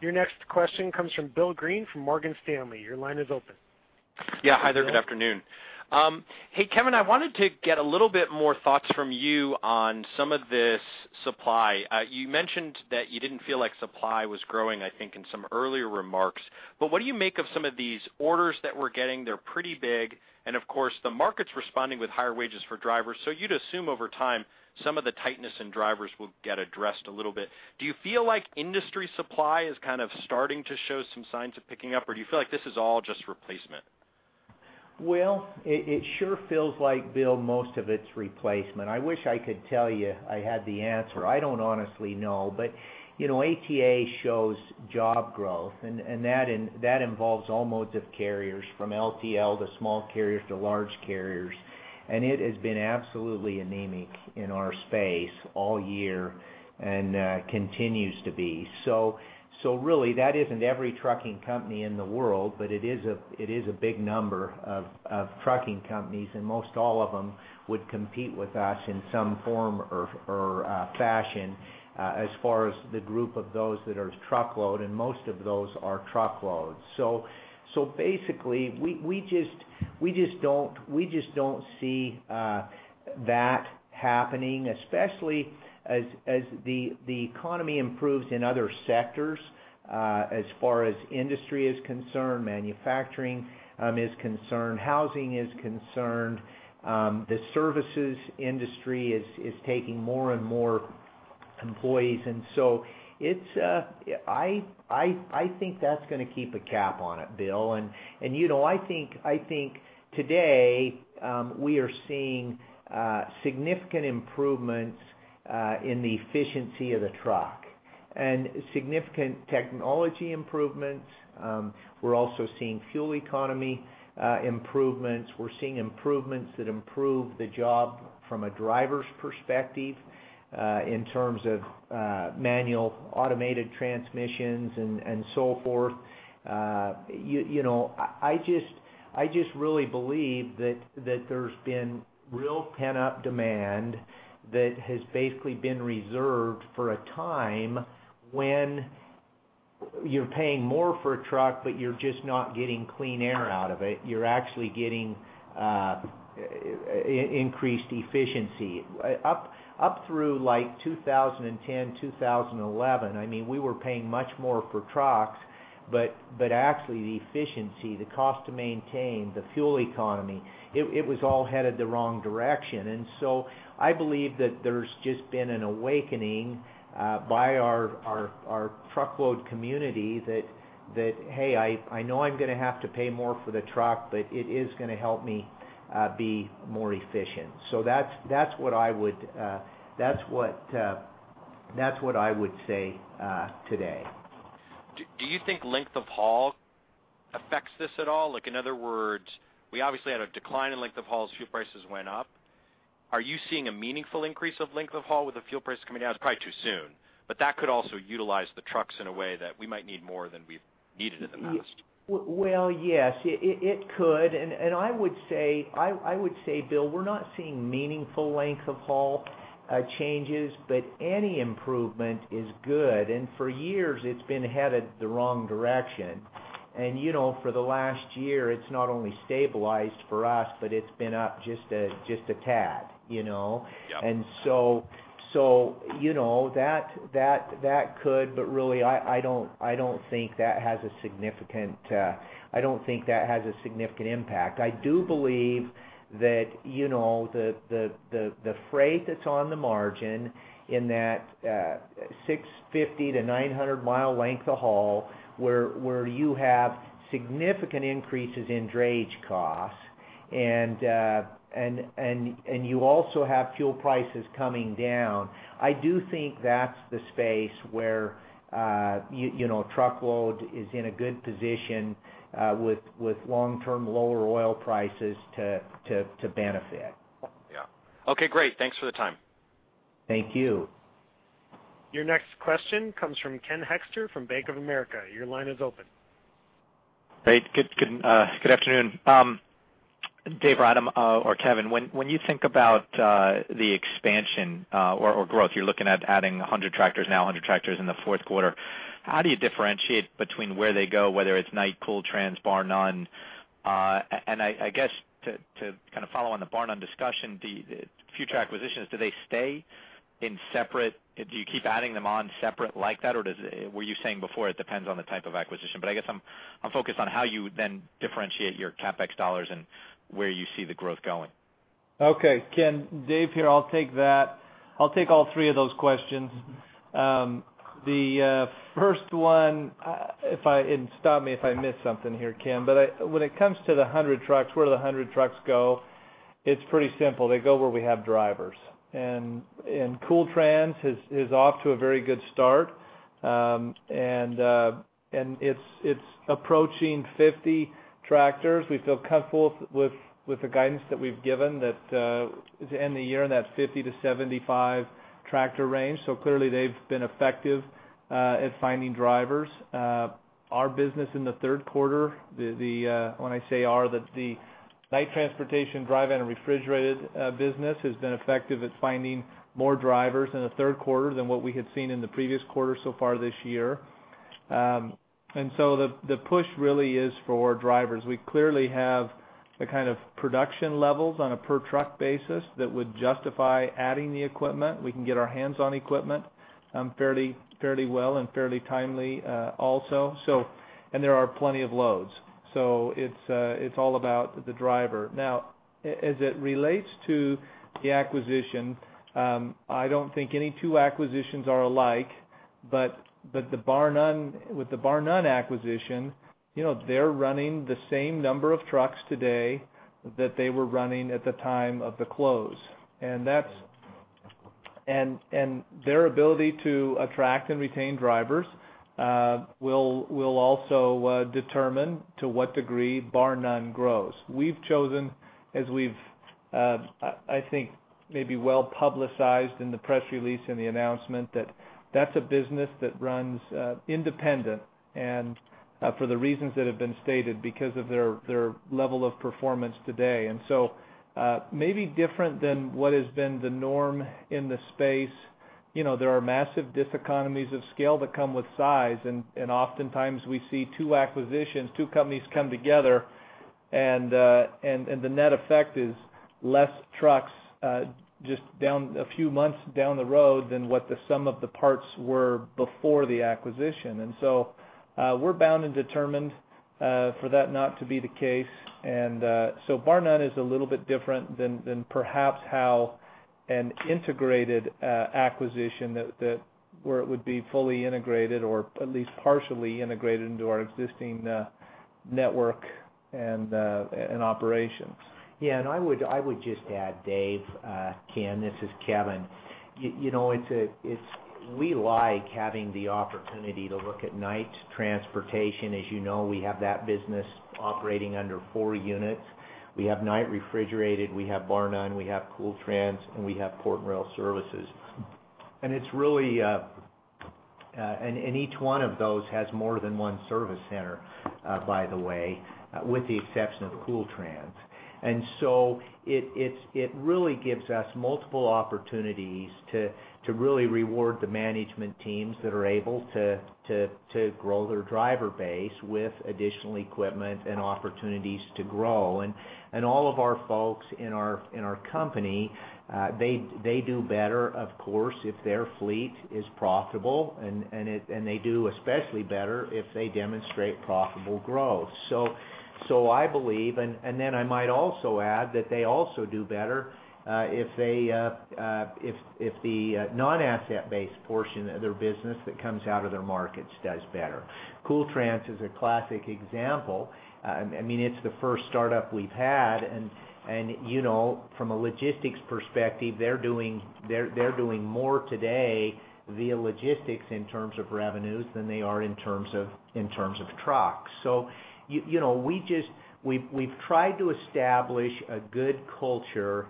A: Your next question comes from Bill Greene, from Morgan Stanley. Your line is open.
J: Yeah. Hi there.
A: Good afternoon.
J: Good afternoon. Hey, Kevin, I wanted to get a little bit more thoughts from you on some of this supply. You mentioned that you didn't feel like supply was growing, I think, in some earlier remarks, but what do you make of some of these orders that we're getting? They're pretty big, and of course, the market's responding with higher wages for drivers. So you'd assume over time, some of the tightness in drivers will get addressed a little bit. Do you feel like industry supply is kind of starting to show some signs of picking up, or do you feel like this is all just replacement?
D: Well, it sure feels like, Bill, most of it's replacement. I wish I could tell you I had the answer. I don't honestly know. But, you know, ATA shows job growth, and that involves all modes of carriers, from LTL to small carriers to large carriers, and it has been absolutely anemic in our space all year and continues to be. So really, that isn't every trucking company in the world, but it is a big number of trucking companies, and most all of them would compete with us in some form or fashion, as far as the group of those that are truckload, and most of those are truckload. So, basically, we just don't see that happening, especially as the economy improves in other sectors, as far as industry is concerned, manufacturing is concerned, housing is concerned, the services industry is taking more and more employees. And so it's... I think that's gonna keep a cap on it, Bill, and you know, I think today, we are seeing significant improvements in the efficiency of the truck and significant technology improvements. We're also seeing fuel economy improvements. We're seeing improvements that improve the job from a driver's perspective, in terms of manual, automated transmissions and so forth. You know, I just really believe that there's been real pent-up demand that has basically been reserved for a time when you're paying more for a truck, but you're just not getting clean air out of it. You're actually getting increased efficiency. Up through, like, 2010, 2011, I mean, we were paying much more for trucks, but actually, the efficiency, the cost to maintain, the fuel economy, it was all headed the wrong direction. And so I believe that there's just been an awakening by our truckload community that, "Hey, I know I'm gonna have to pay more for the truck, but it is gonna help me be more efficient." So that's what I would say today.
J: Do you think length of haul affects this at all? Like, in other words, we obviously had a decline in length of haul as fuel prices went up. Are you seeing a meaningful increase of length of haul with the fuel prices coming down? It's probably too soon, but that could also utilize the trucks in a way that we might need more than we've needed in the past.
D: Well, yes, it could, and I would say, Bill, we're not seeing meaningful length of haul changes, but any improvement is good, and for years it's been headed the wrong direction. And, you know, for the last year, it's not only stabilized for us, but it's been up just a tad, you know?
J: Yep.
D: You know, that could, but really, I don't think that has a significant impact. I do believe that, you know, the freight that's on the margin in that 650-900 mile length of haul, where you have significant increases in drayage costs and you also have fuel prices coming down, I do think that's the space where, you know, Truckload is in a good position with long-term lower oil prices to benefit.
K: Yeah. Okay, great. Thanks for the time.
D: Thank you.
A: Your next question comes from Ken Hoexter from Bank of America. Your line is open.
L: Great. Good, good, good afternoon. Dave, Adam, or Kevin, when you think about the expansion or growth, you're looking at adding 100 tractors now, 100 tractors in the fourth quarter, how do you differentiate between where they go, whether it's Knight, Kool Trans, Barr-Nunn? And I guess, to kind of follow on the Barr-Nunn discussion, the future acquisitions, do they stay in separate? Do you keep adding them on separate like that, or does it... Were you saying before, it depends on the type of acquisition? But I guess I'm focused on how you then differentiate your CapEx dollars and where you see the growth going.
C: Okay, Ken. Dave here, I'll take that. I'll take all three of those questions. The first one, if I, and stop me if I miss something here, Ken, but I—when it comes to the 100 trucks, where do the 100 trucks go? It's pretty simple. They go where we have drivers, and Kool Trans is off to a very good start. And it's approaching 50 tractors. We feel comfortable with the guidance that we've given, that to end the year in that 50-75 tractor range. So clearly, they've been effective at finding drivers. Our business in the third quarter, when I say our, the Knight Transportation dry van and refrigerated business, has been effective at finding more drivers in the third quarter than what we had seen in the previous quarter so far this year. And so the push really is for drivers. We clearly have the kind of production levels on a per truck basis that would justify adding the equipment. We can get our hands on equipment, fairly, fairly well and fairly timely, also. And there are plenty of loads, so it's all about the driver. Now, as it relates to the acquisition, I don't think any two acquisitions are alike, but the Barr-Nunn, with the Barr-Nunn acquisition, you know, they're running the same number of trucks today that they were running at the time of the close. And their ability to attract and retain drivers will also determine to what degree Barr-Nunn grows. We've chosen, as we've, I think maybe well-publicized in the press release and the announcement, that that's a business that runs independent and for the reasons that have been stated, because of their level of performance today. And so, maybe different than what has been the norm in the space, you know, there are massive diseconomies of scale that come with size, and oftentimes we see two acquisitions, two companies come together, and the net effect is less trucks, just down a few months down the road than what the sum of the parts were before the acquisition. And so, we're bound and determined for that not to be the case. And so Barr-Nunn is a little bit different than perhaps how an integrated acquisition that where it would be fully integrated or at least partially integrated into our existing network and operations.
D: Yeah, and I would, I would just add, Dave, Ken, this is Kevin. You know, it's we like having the opportunity to look at Knight Transportation. As you know, we have that business operating under four units. We have Knight Refrigerated, we have Barr-Nunn, we have Kool Trans, and we have Port and Rail Services. And it's really. And each one of those has more than one service center, by the way, with the exception of Kool Trans. And so it really gives us multiple opportunities to really reward the management teams that are able to grow their driver base with additional equipment and opportunities to grow. All of our folks in our company, they do better, of course, if their fleet is profitable, and they do especially better if they demonstrate profitable growth. So I believe... And then I might also add that they also do better if the non-asset-based portion of their business that comes out of their markets does better. Kool Trans is a classic example. I mean, it's the first startup we've had, and you know, from a logistics perspective, they're doing more today via logistics in terms of revenues than they are in terms of trucks. So you know, we just, we've tried to establish a good culture, to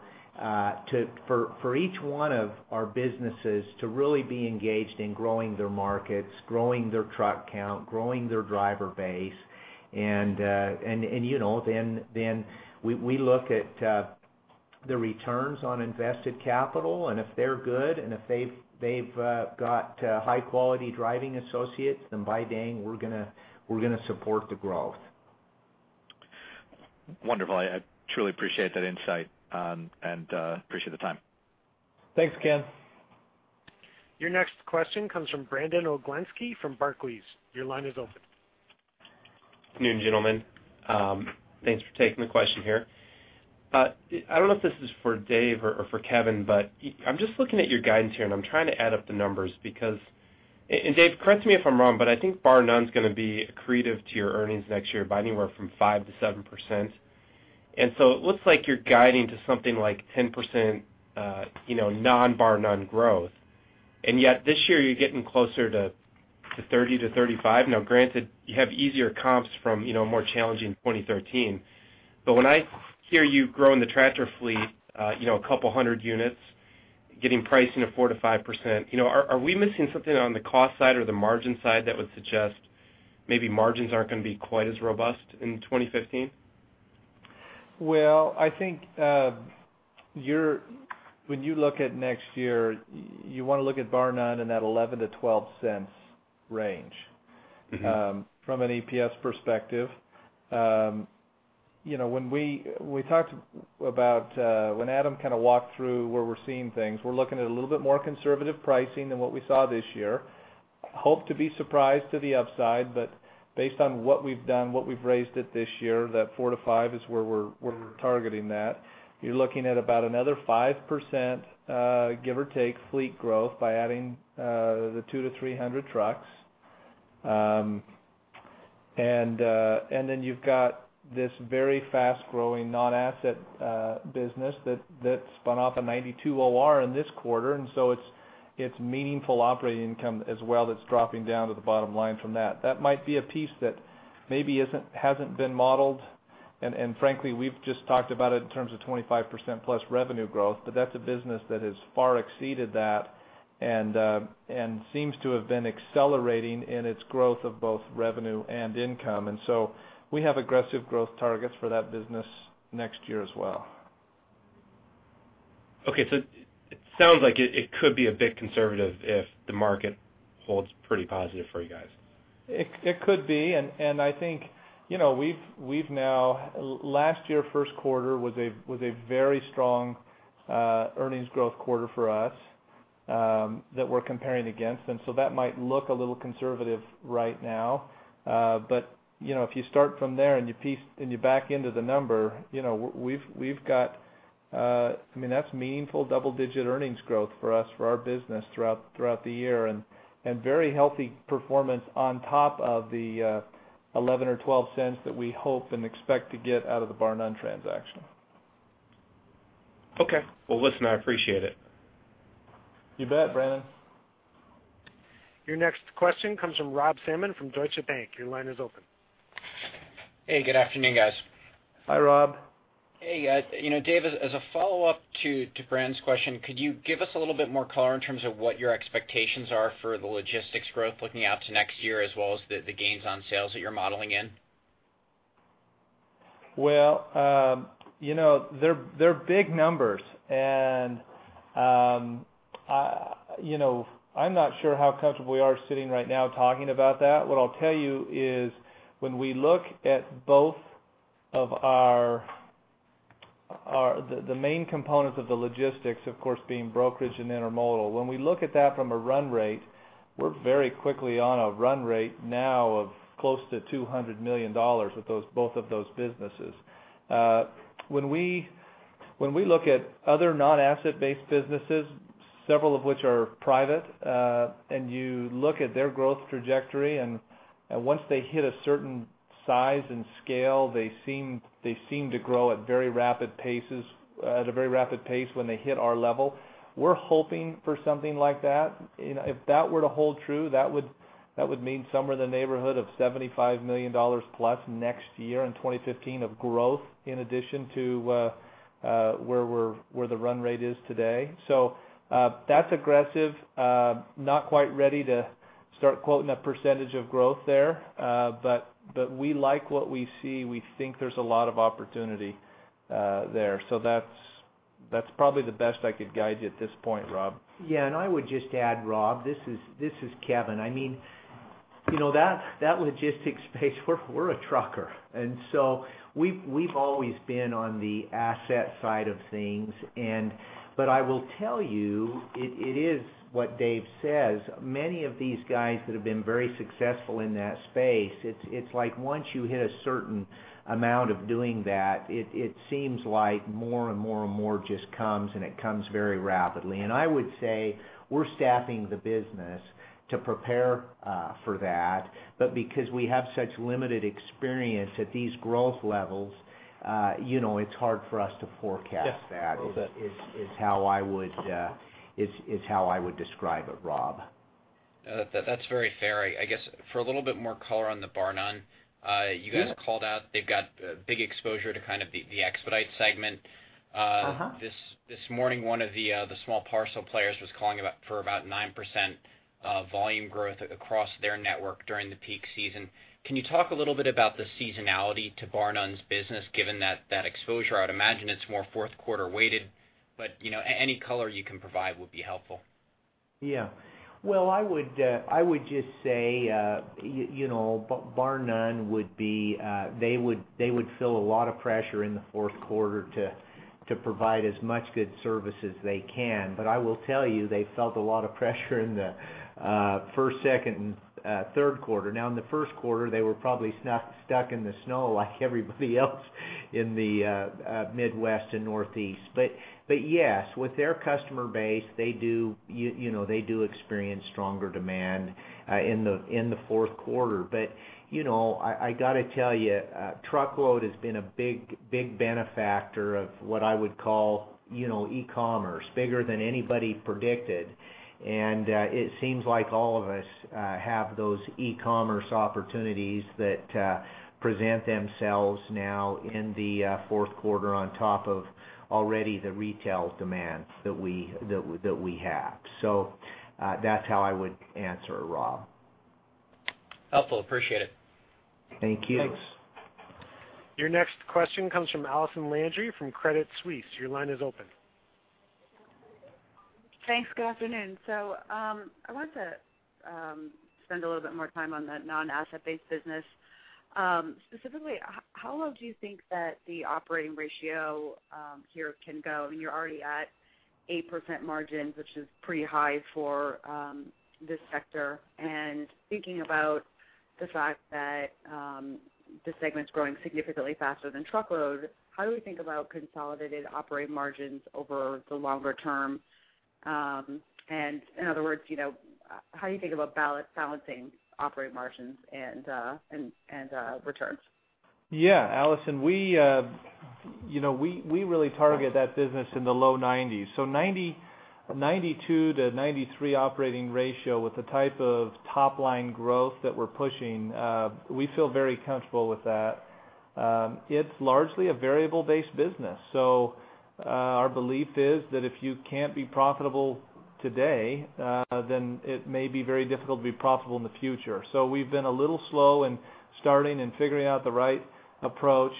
D: for each one of our businesses to really be engaged in growing their markets, growing their truck count, growing their driver base. And you know, then we look at the returns on invested capital, and if they're good, and if they've got high-quality driving associates, then by dang, we're gonna support the growth.
L: Wonderful. I truly appreciate that insight, and appreciate the time.
C: Thanks, Ken.
A: Your next question comes from Brandon Oglenski from Barclays. Your line is open.
K: Good afternoon, gentlemen. Thanks for taking the question here. I don't know if this is for Dave or, or for Kevin, but I'm just looking at your guidance here, and I'm trying to add up the numbers, because... And, Dave, correct me if I'm wrong, but I think Barr-Nunn is going to be accretive to your earnings next year by anywhere from 5%-7%. And so it looks like you're guiding to something like 10%, you know, non-Barr-Nunn growth. And yet, this year, you're getting closer to 30%-35%. Now, granted, you have easier comps from, you know, more challenging 2013. But when I hear you growing the tractor fleet, you know, a couple hundred units, getting pricing of 4%-5%, you know, are we missing something on the cost side or the margin side that would suggest maybe margins aren't going to be quite as robust in 2015?
C: Well, I think, when you look at next year, you want to look at Barr-Nunn in that $0.11-$0.12 range,
K: Mm-hmm.
C: from an EPS perspective. You know, when we talked about, when Adam kind of walked through where we're seeing things, we're looking at a little bit more conservative pricing than what we saw this year. Hope to be surprised to the upside, but based on what we've done, what we've raised it this year, that 4-5 is where we're targeting that. You're looking at about another 5%, give or take, fleet growth by adding the 200-300 trucks. And then you've got this very fast-growing non-asset business that spun off a 92 OR in this quarter, and so it's meaningful operating income as well that's dropping down to the bottom line from that. That might be a piece that maybe hasn't been modeled, and frankly, we've just talked about it in terms of 25%+ revenue growth, but that's a business that has far exceeded that, and seems to have been accelerating in its growth of both revenue and income. And so we have aggressive growth targets for that business next year as well.
K: Okay. So it sounds like it could be a bit conservative if the market holds pretty positive for you guys.
C: It could be, and I think, you know, we've now... Last year, first quarter was a very strong earnings growth quarter for us that we're comparing against, and so that might look a little conservative right now. But, you know, if you start from there and you piece, and you back into the number, you know, we've got, I mean, that's meaningful double-digit earnings growth for us, for our business throughout the year, and very healthy performance on top of the $0.11 or $0.12 that we hope and expect to get out of the Barr-Nunn transaction.
K: Okay. Well, listen, I appreciate it.
C: You bet, Brandon.
A: Your next question comes from Rob Salmon from Deutsche Bank. Your line is open.
M: Hey, good afternoon, guys.
C: Hi, Rob.
M: Hey, you know, Dave, as a follow-up to Brandon's question, could you give us a little bit more color in terms of what your expectations are for the logistics growth looking out to next year, as well as the gains on sales that you're modeling in?
C: Well, you know, they're big numbers, and, you know, I'm not sure how comfortable we are sitting right now talking about that. What I'll tell you is, when we look at both of our, the main components of the logistics, of course, being brokerage and intermodal. When we look at that from a run rate, we're very quickly on a run rate now of close to $200 million with those, both of those businesses. When we look at other non-asset-based businesses, several of which are private, and you look at their growth trajectory, and once they hit a certain size and scale, they seem to grow at very rapid paces, at a very rapid pace when they hit our level. We're hoping for something like that. You know, if that were to hold true, that would, that would mean somewhere in the neighborhood of $75 million plus next year, in 2015, of growth, in addition to, where we're, where the run rate is today. So, that's aggressive. Not quite ready to start quoting a percentage of growth there, but, but we like what we see. We think there's a lot of opportunity, there. So that's, that's probably the best I could guide you at this point, Rob.
D: Yeah, and I would just add, Rob, this is, this is Kevin. I mean, you know, that, that logistics space, we're, we're a trucker, and so we've, we've always been on the asset side of things. And but I will tell you, it, it is what Dave says, many of these guys that have been very successful in that space, it's, it's like once you hit a certain amount of doing that, it, it seems like more and more and more just comes, and it comes very rapidly. And I would say we're staffing the business to prepare for that. But because we have such limited experience at these growth levels, you know, it's hard for us to forecast that-
M: Yeah. Well said.
D: Is how I would describe it, Rob.
M: That's very fair. I guess, for a little bit more color on the Barr-Nunn,
C: Yeah.
M: You guys called out, they've got a big exposure to kind of the expedite segment.
C: Uh-huh.
M: This morning, one of the small parcel players was calling about, for about 9% volume growth across their network during the peak season. Can you talk a little bit about the seasonality to Barr-Nunn's business, given that exposure? I would imagine it's more fourth quarter weighted, but you know, any color you can provide would be helpful....
D: Yeah. Well, I would just say, you know, Barr-Nunn would be, they would feel a lot of pressure in the fourth quarter to provide as much good service as they can. But I will tell you, they felt a lot of pressure in the first, second, and third quarter. Now, in the first quarter, they were probably stuck in the snow like everybody else, in the Midwest and Northeast. But yes, with their customer base, they do, you know, they do experience stronger demand in the fourth quarter. But, you know, I got to tell you, truckload has been a big benefactor of what I would call, you know, e-commerce, bigger than anybody predicted. It seems like all of us have those e-commerce opportunities that present themselves now in the fourth quarter on top of already the retail demands that we have. So, that's how I would answer it, Rob.
M: Helpful. Appreciate it.
D: Thank you.
M: Thanks.
A: Your next question comes from Allison Landry from Credit Suisse. Your line is open.
N: Thanks. Good afternoon. So, I want to spend a little bit more time on the non-asset-based business. Specifically, how well do you think that the operating ratio here can go? I mean, you're already at 8% margins, which is pretty high for this sector. And thinking about the fact that the segment's growing significantly faster than truckload, how do we think about consolidated operating margins over the longer term? And in other words, you know, how do you think about balancing operating margins and returns?
C: Yeah, Allison, we, we really target that business in the low 90s. So 90, 92-93 operating ratio with the type of top line growth that we're pushing, we feel very comfortable with that. It's largely a variable-based business, so our belief is that if you can't be profitable today, then it may be very difficult to be profitable in the future. So we've been a little slow in starting and figuring out the right approach.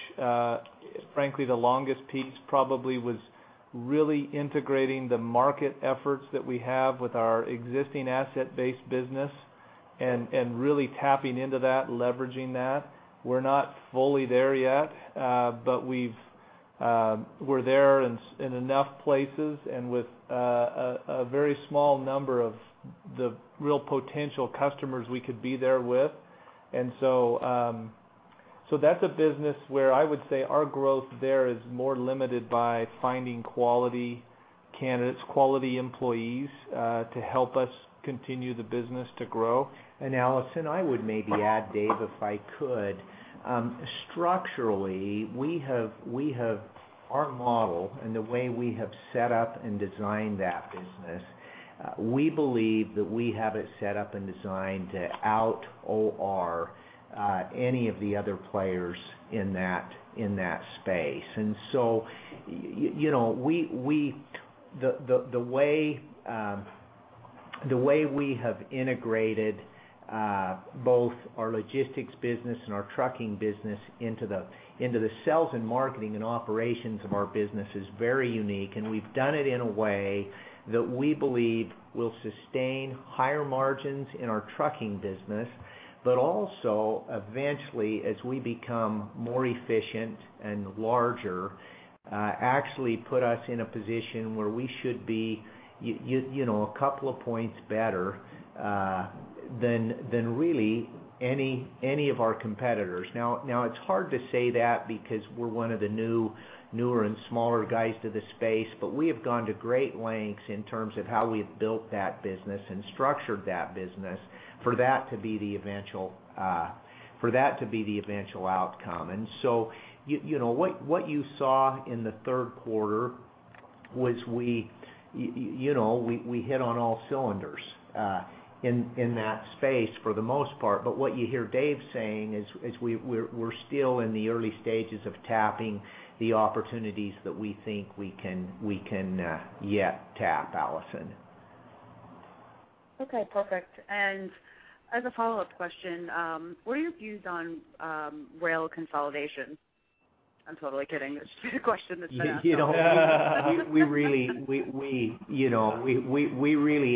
C: Frankly, the longest piece probably was really integrating the market efforts that we have with our existing asset-based business and really tapping into that, leveraging that. We're not fully there yet, but we're there in enough places and with a very small number of the real potential customers we could be there with. And so, that's a business where I would say our growth there is more limited by finding quality candidates, quality employees, to help us continue the business to grow.
D: And Allison, I would maybe add, Dave, if I could. Structurally, we have our model and the way we have set up and designed that business. We believe that we have it set up and designed to out-OR any of the other players in that space. And so, you know, the way we have integrated both our logistics business and our trucking business into the sales and marketing and operations of our business is very unique, and we've done it in a way that we believe will sustain higher margins in our trucking business, but also eventually, as we become more efficient and larger, actually put us in a position where we should be, you know, a couple of points better than really any of our competitors. Now, it's hard to say that because we're one of the new, newer and smaller guys to the space, but we have gone to great lengths in terms of how we've built that business and structured that business for that to be the eventual outcome. And so, you know, what you saw in the third quarter was we, you know, we hit on all cylinders in that space for the most part. But what you hear Dave saying is we're still in the early stages of tapping the opportunities that we think we can yet tap, Allison.
N: Okay, perfect. As a follow-up question, what are your views on rail consolidation? I'm totally kidding. It's just a question that's been asked.
D: You know, we really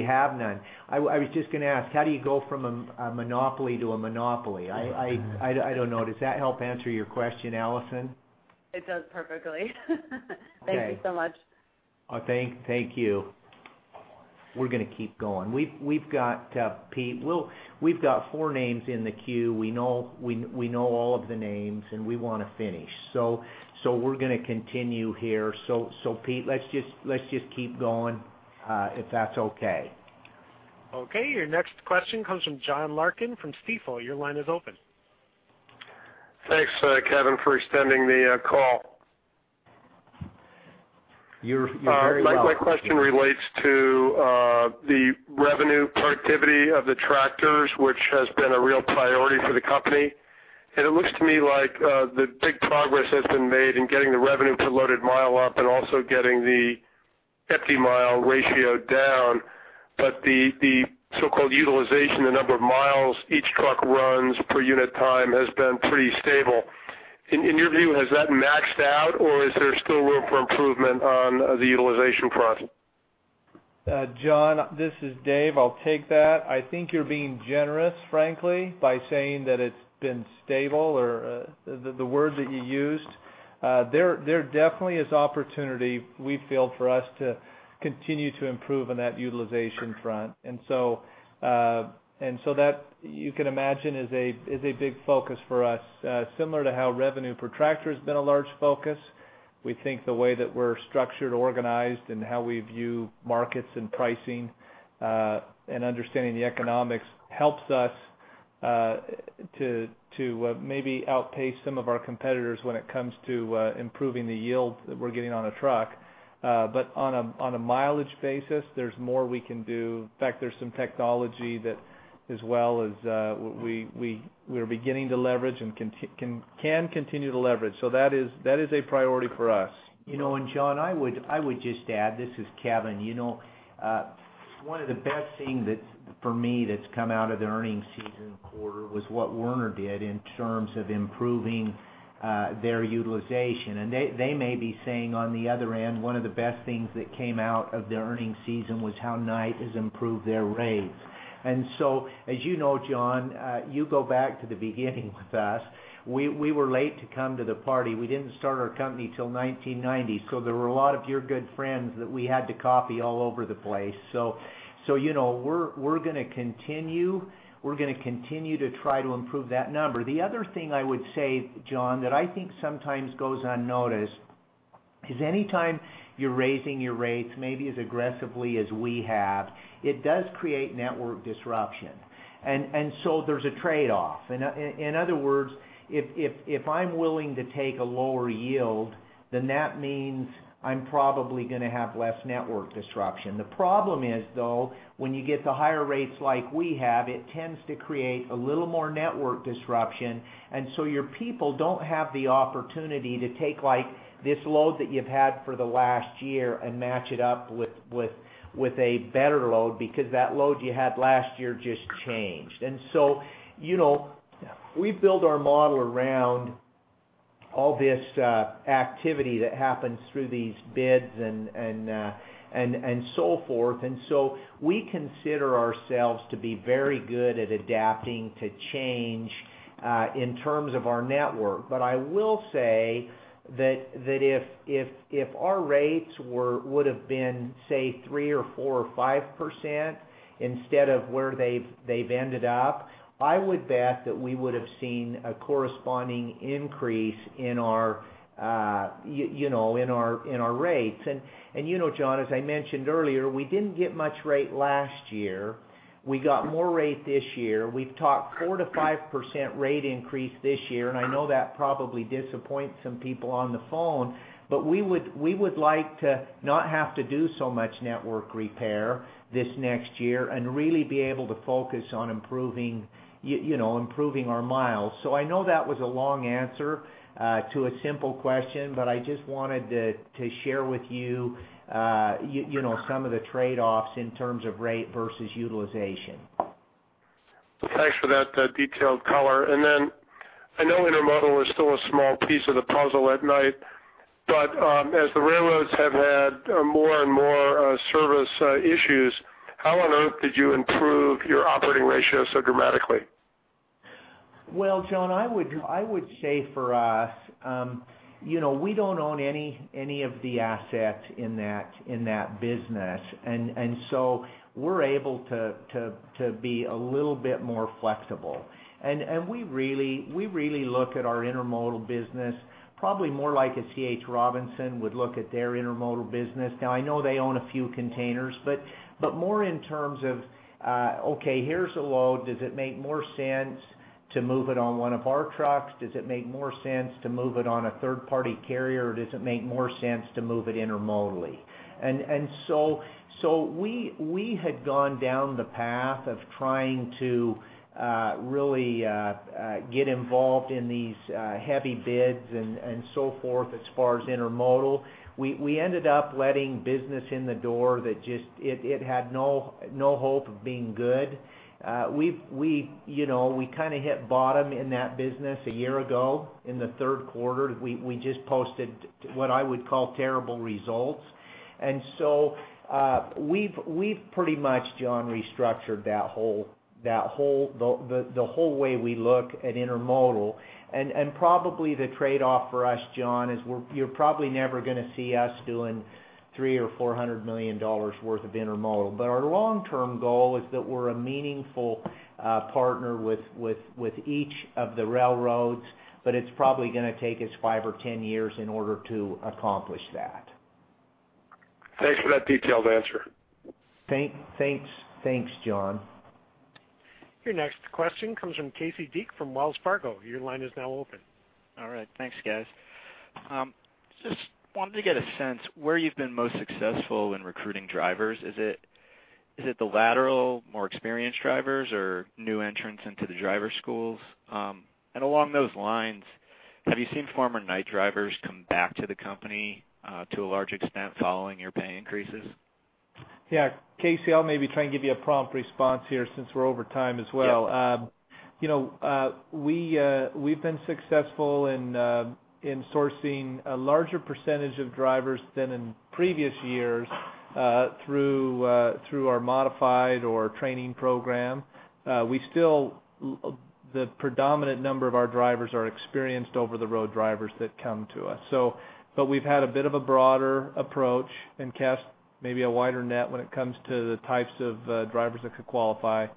D: have none. I was just going to ask, how do you go from a monopoly to a monopoly? I don't know. Does that help answer your question, Allison?
N: It does perfectly.
D: Okay.
N: Thank you so much.
D: Thank you. We're going to keep going. We've got Pete, we'll, we've got four names in the queue. We know all of the names, and we want to finish, so we're going to continue here. So Pete, let's just keep going, if that's okay.
A: Okay. Your next question comes from John Larkin from Stifel. Your line is open.
O: Thanks, Kevin, for extending the call.
D: You're very welcome.
O: My, my question relates to the revenue productivity of the tractors, which has been a real priority for the company. It looks to me like the big progress that's been made in getting the revenue per loaded mile up and also getting the empty mile ratio down. But the so-called utilization, the number of miles each truck runs per unit time, has been pretty stable. In your view, has that maxed out, or is there still room for improvement on the utilization front?
C: John, this is Dave. I'll take that. I think you're being generous, frankly, by saying that it's been stable or the word that you used. There definitely is opportunity, we feel, for us to continue to improve on that utilization front. And so that, you can imagine, is a big focus for us, similar to how revenue per tractor has been a large focus. We think the way that we're structured, organized, and how we view markets and pricing and understanding the economics, helps us to maybe outpace some of our competitors when it comes to improving the yield that we're getting on a truck. But on a mileage basis, there's more we can do. In fact, there's some technology that, as well as, we are beginning to leverage and continue to leverage. So that is a priority for us.
D: You know, and John, I would, I would just add, this is Kevin, you know, one of the best things that, for me, that's come out of the earnings season quarter was what Werner did in terms of improving their utilization. And they, they may be saying on the other end, one of the best things that came out of the earnings season was how Knight has improved their rates. And so, as you know, John, you go back to the beginning with us. We, we were late to come to the party. We didn't start our company till 1990, so there were a lot of your good friends that we had to copy all over the place. So, so, you know, we're, we're gonna continue, we're gonna continue to try to improve that number. The other thing I would say, John, that I think sometimes goes unnoticed, is anytime you're raising your rates, maybe as aggressively as we have, it does create network disruption. And so there's a trade-off. In other words, if I'm willing to take a lower yield, then that means I'm probably gonna have less network disruption. The problem is, though, when you get to higher rates like we have, it tends to create a little more network disruption, and so your people don't have the opportunity to take, like, this load that you've had for the last year and match it up with a better load, because that load you had last year just changed. And so, you know, we've built our model around all this activity that happens through these bids and so forth. We consider ourselves to be very good at adapting to change in terms of our network. But I will say that if our rates would have been, say, 3% or 4% or 5% instead of where they've ended up, I would bet that we would have seen a corresponding increase in our you know, in our rates. And you know, John, as I mentioned earlier, we didn't get much rate last year. We got more rate this year. We've talked 4%-5% rate increase this year, and I know that probably disappoints some people on the phone, but we would like to not have to do so much network repair this next year and really be able to focus on improving you know, improving our miles. So I know that was a long answer to a simple question, but I just wanted to share with you, you know, some of the trade-offs in terms of rate versus utilization.
O: Thanks for that detailed color. And then I know intermodal is still a small piece of the puzzle at Knight, but as the railroads have had more and more service issues, how on earth did you improve your operating ratio so dramatically?
D: Well, John, I would say for us, you know, we don't own any of the assets in that business, and so we're able to be a little bit more flexible. And we really look at our intermodal business probably more like a C.H. Robinson would look at their intermodal business. Now I know they own a few containers, but more in terms of, okay, here's a load. Does it make more sense to move it on one of our trucks? Does it make more sense to move it on a third-party carrier, or does it make more sense to move it intermodally? And so we had gone down the path of trying to really get involved in these heavy bids and so forth, as far as intermodal. We ended up letting business in the door that just... it had no hope of being good. We've, you know, we kind of hit bottom in that business a year ago, in the third quarter. We just posted what I would call terrible results. And so, we've pretty much, John, restructured that whole way we look at intermodal. And probably the trade-off for us, John, is we're you're probably never gonna see us doing $300 million-$400 million worth of intermodal. But our long-term goal is that we're a meaningful partner with each of the railroads, but it's probably gonna take us five or 10 years in order to accomplish that.
O: Thanks for that detailed answer.
D: Thanks. Thanks, John.
A: Your next question comes from Casey Deak from Wells Fargo. Your line is now open.
P: All right. Thanks, guys. Just wanted to get a sense where you've been most successful in recruiting drivers. Is it, is it the lateral, more experienced drivers or new entrants into the driver schools? And along those lines, have you seen former Knight drivers come back to the company, to a large extent following your pay increases?...
C: Yeah, Casey, I'll maybe try and give you a prompt response here since we're over time as well.
D: Yeah.
C: You know, we've been successful in sourcing a larger percentage of drivers than in previous years, through our modified our training program. We still, the predominant number of our drivers are experienced over-the-road drivers that come to us. So, but we've had a bit of a broader approach and cast maybe a wider net when it comes to the types of drivers that could qualify.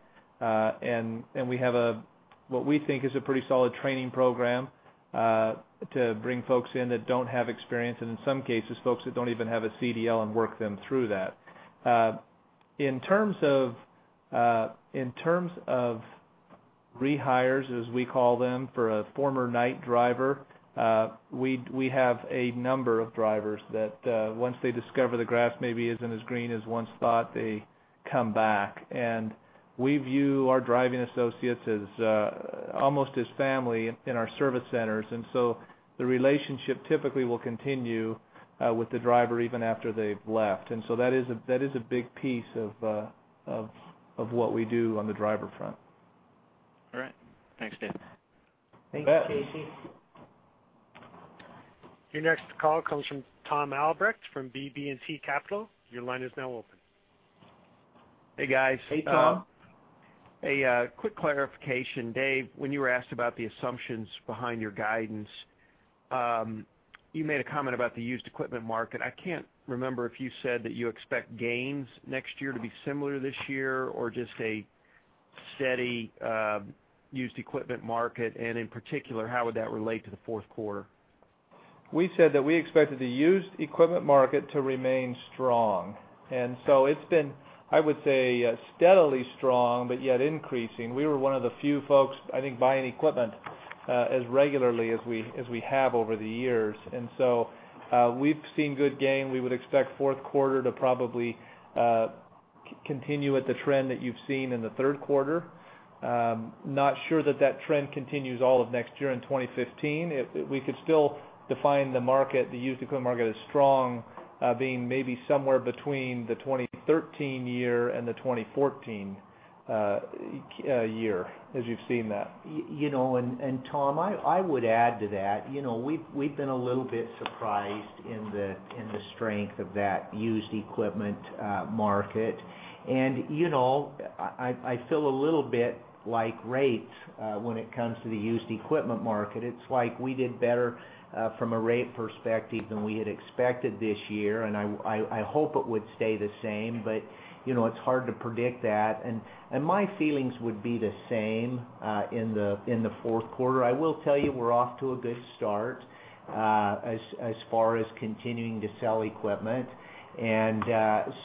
C: And, and we have a, what we think is a pretty solid training program, to bring folks in that don't have experience, and in some cases, folks that don't even have a CDL, and work them through that. In terms of rehires, as we call them, for a former Knight driver, we have a number of drivers that once they discover the grass maybe isn't as green as once thought, they come back. We view our driving associates as almost as family in our service centers, and so the relationship typically will continue with the driver, even after they've left. And so that is a big piece of what we do on the driver front.
D: All right. Thanks, Dave.
C: You bet.
Q: Thanks, Casey.
A: Your next call comes from Tom Albrecht from BB&T Capital Markets. Your line is now open.
R: Hey, guys.
C: Hey, Tom.
S: A quick clarification. Dave, when you were asked about the assumptions behind your guidance, you made a comment about the used equipment market. I can't remember if you said that you expect gains next year to be similar to this year or just a steady used equipment market, and in particular, how would that relate to the fourth quarter?
C: We said that we expected the used equipment market to remain strong, and so it's been. I would say steadily strong, but yet increasing. We were one of the few folks, I think, buying equipment as regularly as we have over the years, and so we've seen good gain. We would expect fourth quarter to probably continue with the trend that you've seen in the third quarter. Not sure that that trend continues all of next year in 2015. If we could still define the market, the used equipment market, as strong, being maybe somewhere between the 2013 year and the 2014 year, as you've seen that. You know, and Tom, I would add to that. You know, we've been a little bit surprised in the strength of that used equipment market. And, you know, I feel a little bit like rates when it comes to the used equipment market. It's like we did better from a rate perspective than we had expected this year, and I hope it would stay the same, but, you know, it's hard to predict that. And my feelings would be the same in the fourth quarter. I will tell you, we're off to a good start as far as continuing to sell equipment.
D: And,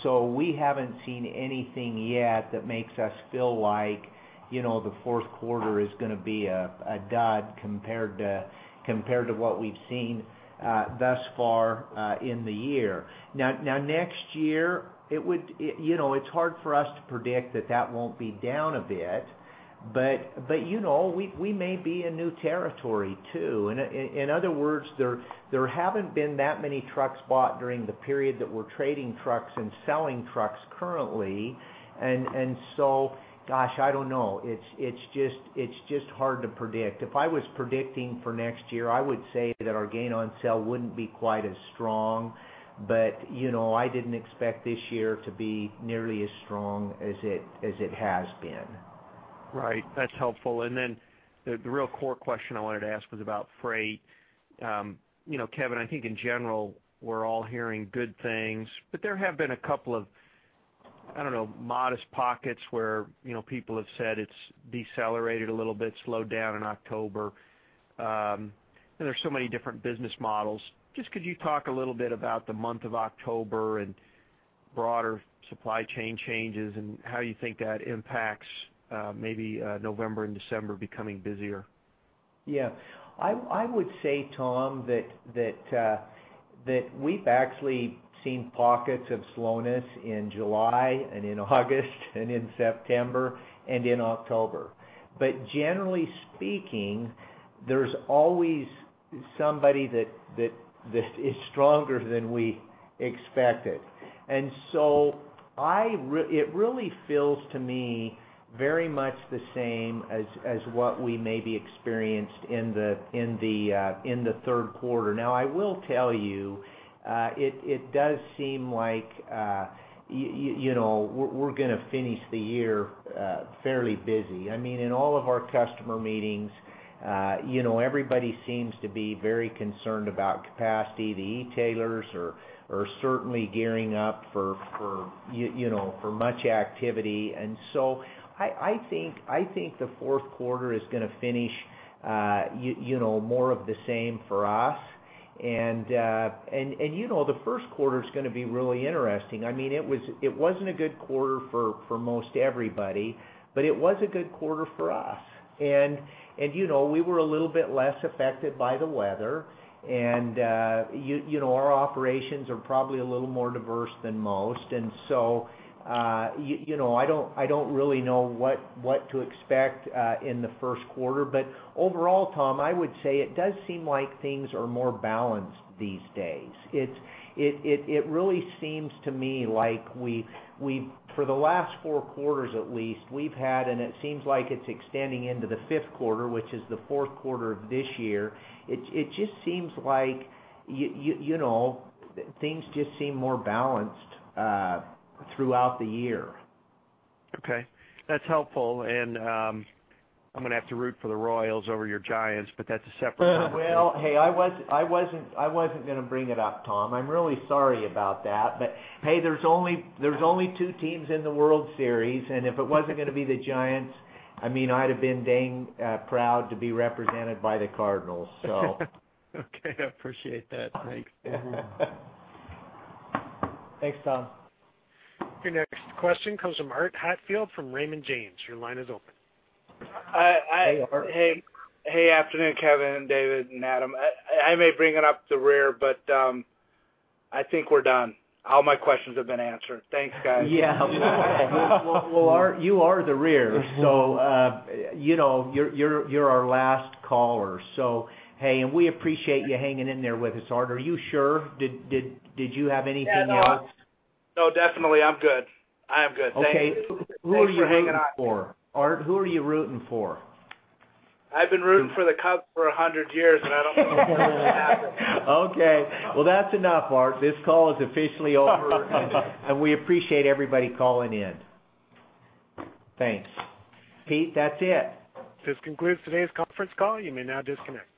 D: so we haven't seen anything yet that makes us feel like, you know, the fourth quarter is going to be a, a dud compared to, compared to what we've seen, thus far, in the year. Now, now, next year, it would... You know, it's hard for us to predict that that won't be down a bit, but, but, you know, we, we may be in new territory, too. In, in other words, there, there haven't been that many trucks bought during the period that we're trading trucks and selling trucks currently. And, and so, gosh, I don't know. It's, it's just, it's just hard to predict. If I was predicting for next year, I would say that our gain on sale wouldn't be quite as strong. But, you know, I didn't expect this year to be nearly as strong as it, as it has been.
S: Right. That's helpful. And then the real core question I wanted to ask was about freight. You know, Kevin, I think in general, we're all hearing good things, but there have been a couple of, I don't know, modest pockets where, you know, people have said it's decelerated a little bit, slowed down in October. And there's so many different business models. Just could you talk a little bit about the month of October and broader supply chain changes, and how you think that impacts maybe November and December becoming busier?
D: Yeah. I would say, Tom, that we've actually seen pockets of slowness in July and in August and in September and in October. But generally speaking, there's always somebody that is stronger than we expected. And so it really feels to me very much the same as what we maybe experienced in the third quarter. Now, I will tell you, it does seem like, you know, we're going to finish the year fairly busy. I mean, in all of our customer meetings, you know, everybody seems to be very concerned about capacity. The e-tailers are certainly gearing up for, you know, for much activity. And so I think the fourth quarter is going to finish, you know, more of the same for us. And you know, the first quarter is going to be really interesting. I mean, it wasn't a good quarter for most everybody, but it was a good quarter for us. And you know, we were a little bit less affected by the weather, and you know, our operations are probably a little more diverse than most. And so you know, I don't really know what to expect in the first quarter. But overall, Tom, I would say it does seem like things are more balanced these days. It really seems to me like we, for the last four quarters at least, we've had, and it seems like it's extending into the fifth quarter, which is the fourth quarter of this year, just seems like you know, things just seem more balanced throughout the year.
S: Okay, that's helpful. I'm going to have to root for the Royals over your Giants, but that's a separate topic.
D: Well, hey, I wasn't going to bring it up, Tom. I'm really sorry about that, but hey, there's only two teams in the World Series, and if it wasn't going to be the Giants, I mean, I'd have been dang proud to be represented by the Cardinals, so.
S: Okay, I appreciate that. Thanks.
D: Thanks, Tom.
A: Your next question comes from Art Hatfield from Raymond James. Your line is open.
C: Hi, Art.
Q: Hi. Hey, afternoon, Kevin, David, and Adam. I may bring it up the rear, but I think we're done. All my questions have been answered. Thanks, guys.
D: Yeah.
C: Well, Art, you are there, so, you know, you're our last caller, so hey, and we appreciate you hanging in there with us, Art. Are you sure? Did you have anything else?
R: No, definitely, I'm good. I am good. Thank you.
C: Okay.
R: Thanks for hanging on.
C: Art, who are you rooting for?
R: I've been rooting for the Cubs for 100 years, and I don't know when it's going to happen.
D: Okay, well, that's enough, Art. This call is officially over—and we appreciate everybody calling in. Thanks. Pete, that's it.
A: This concludes today's conference call. You may now disconnect.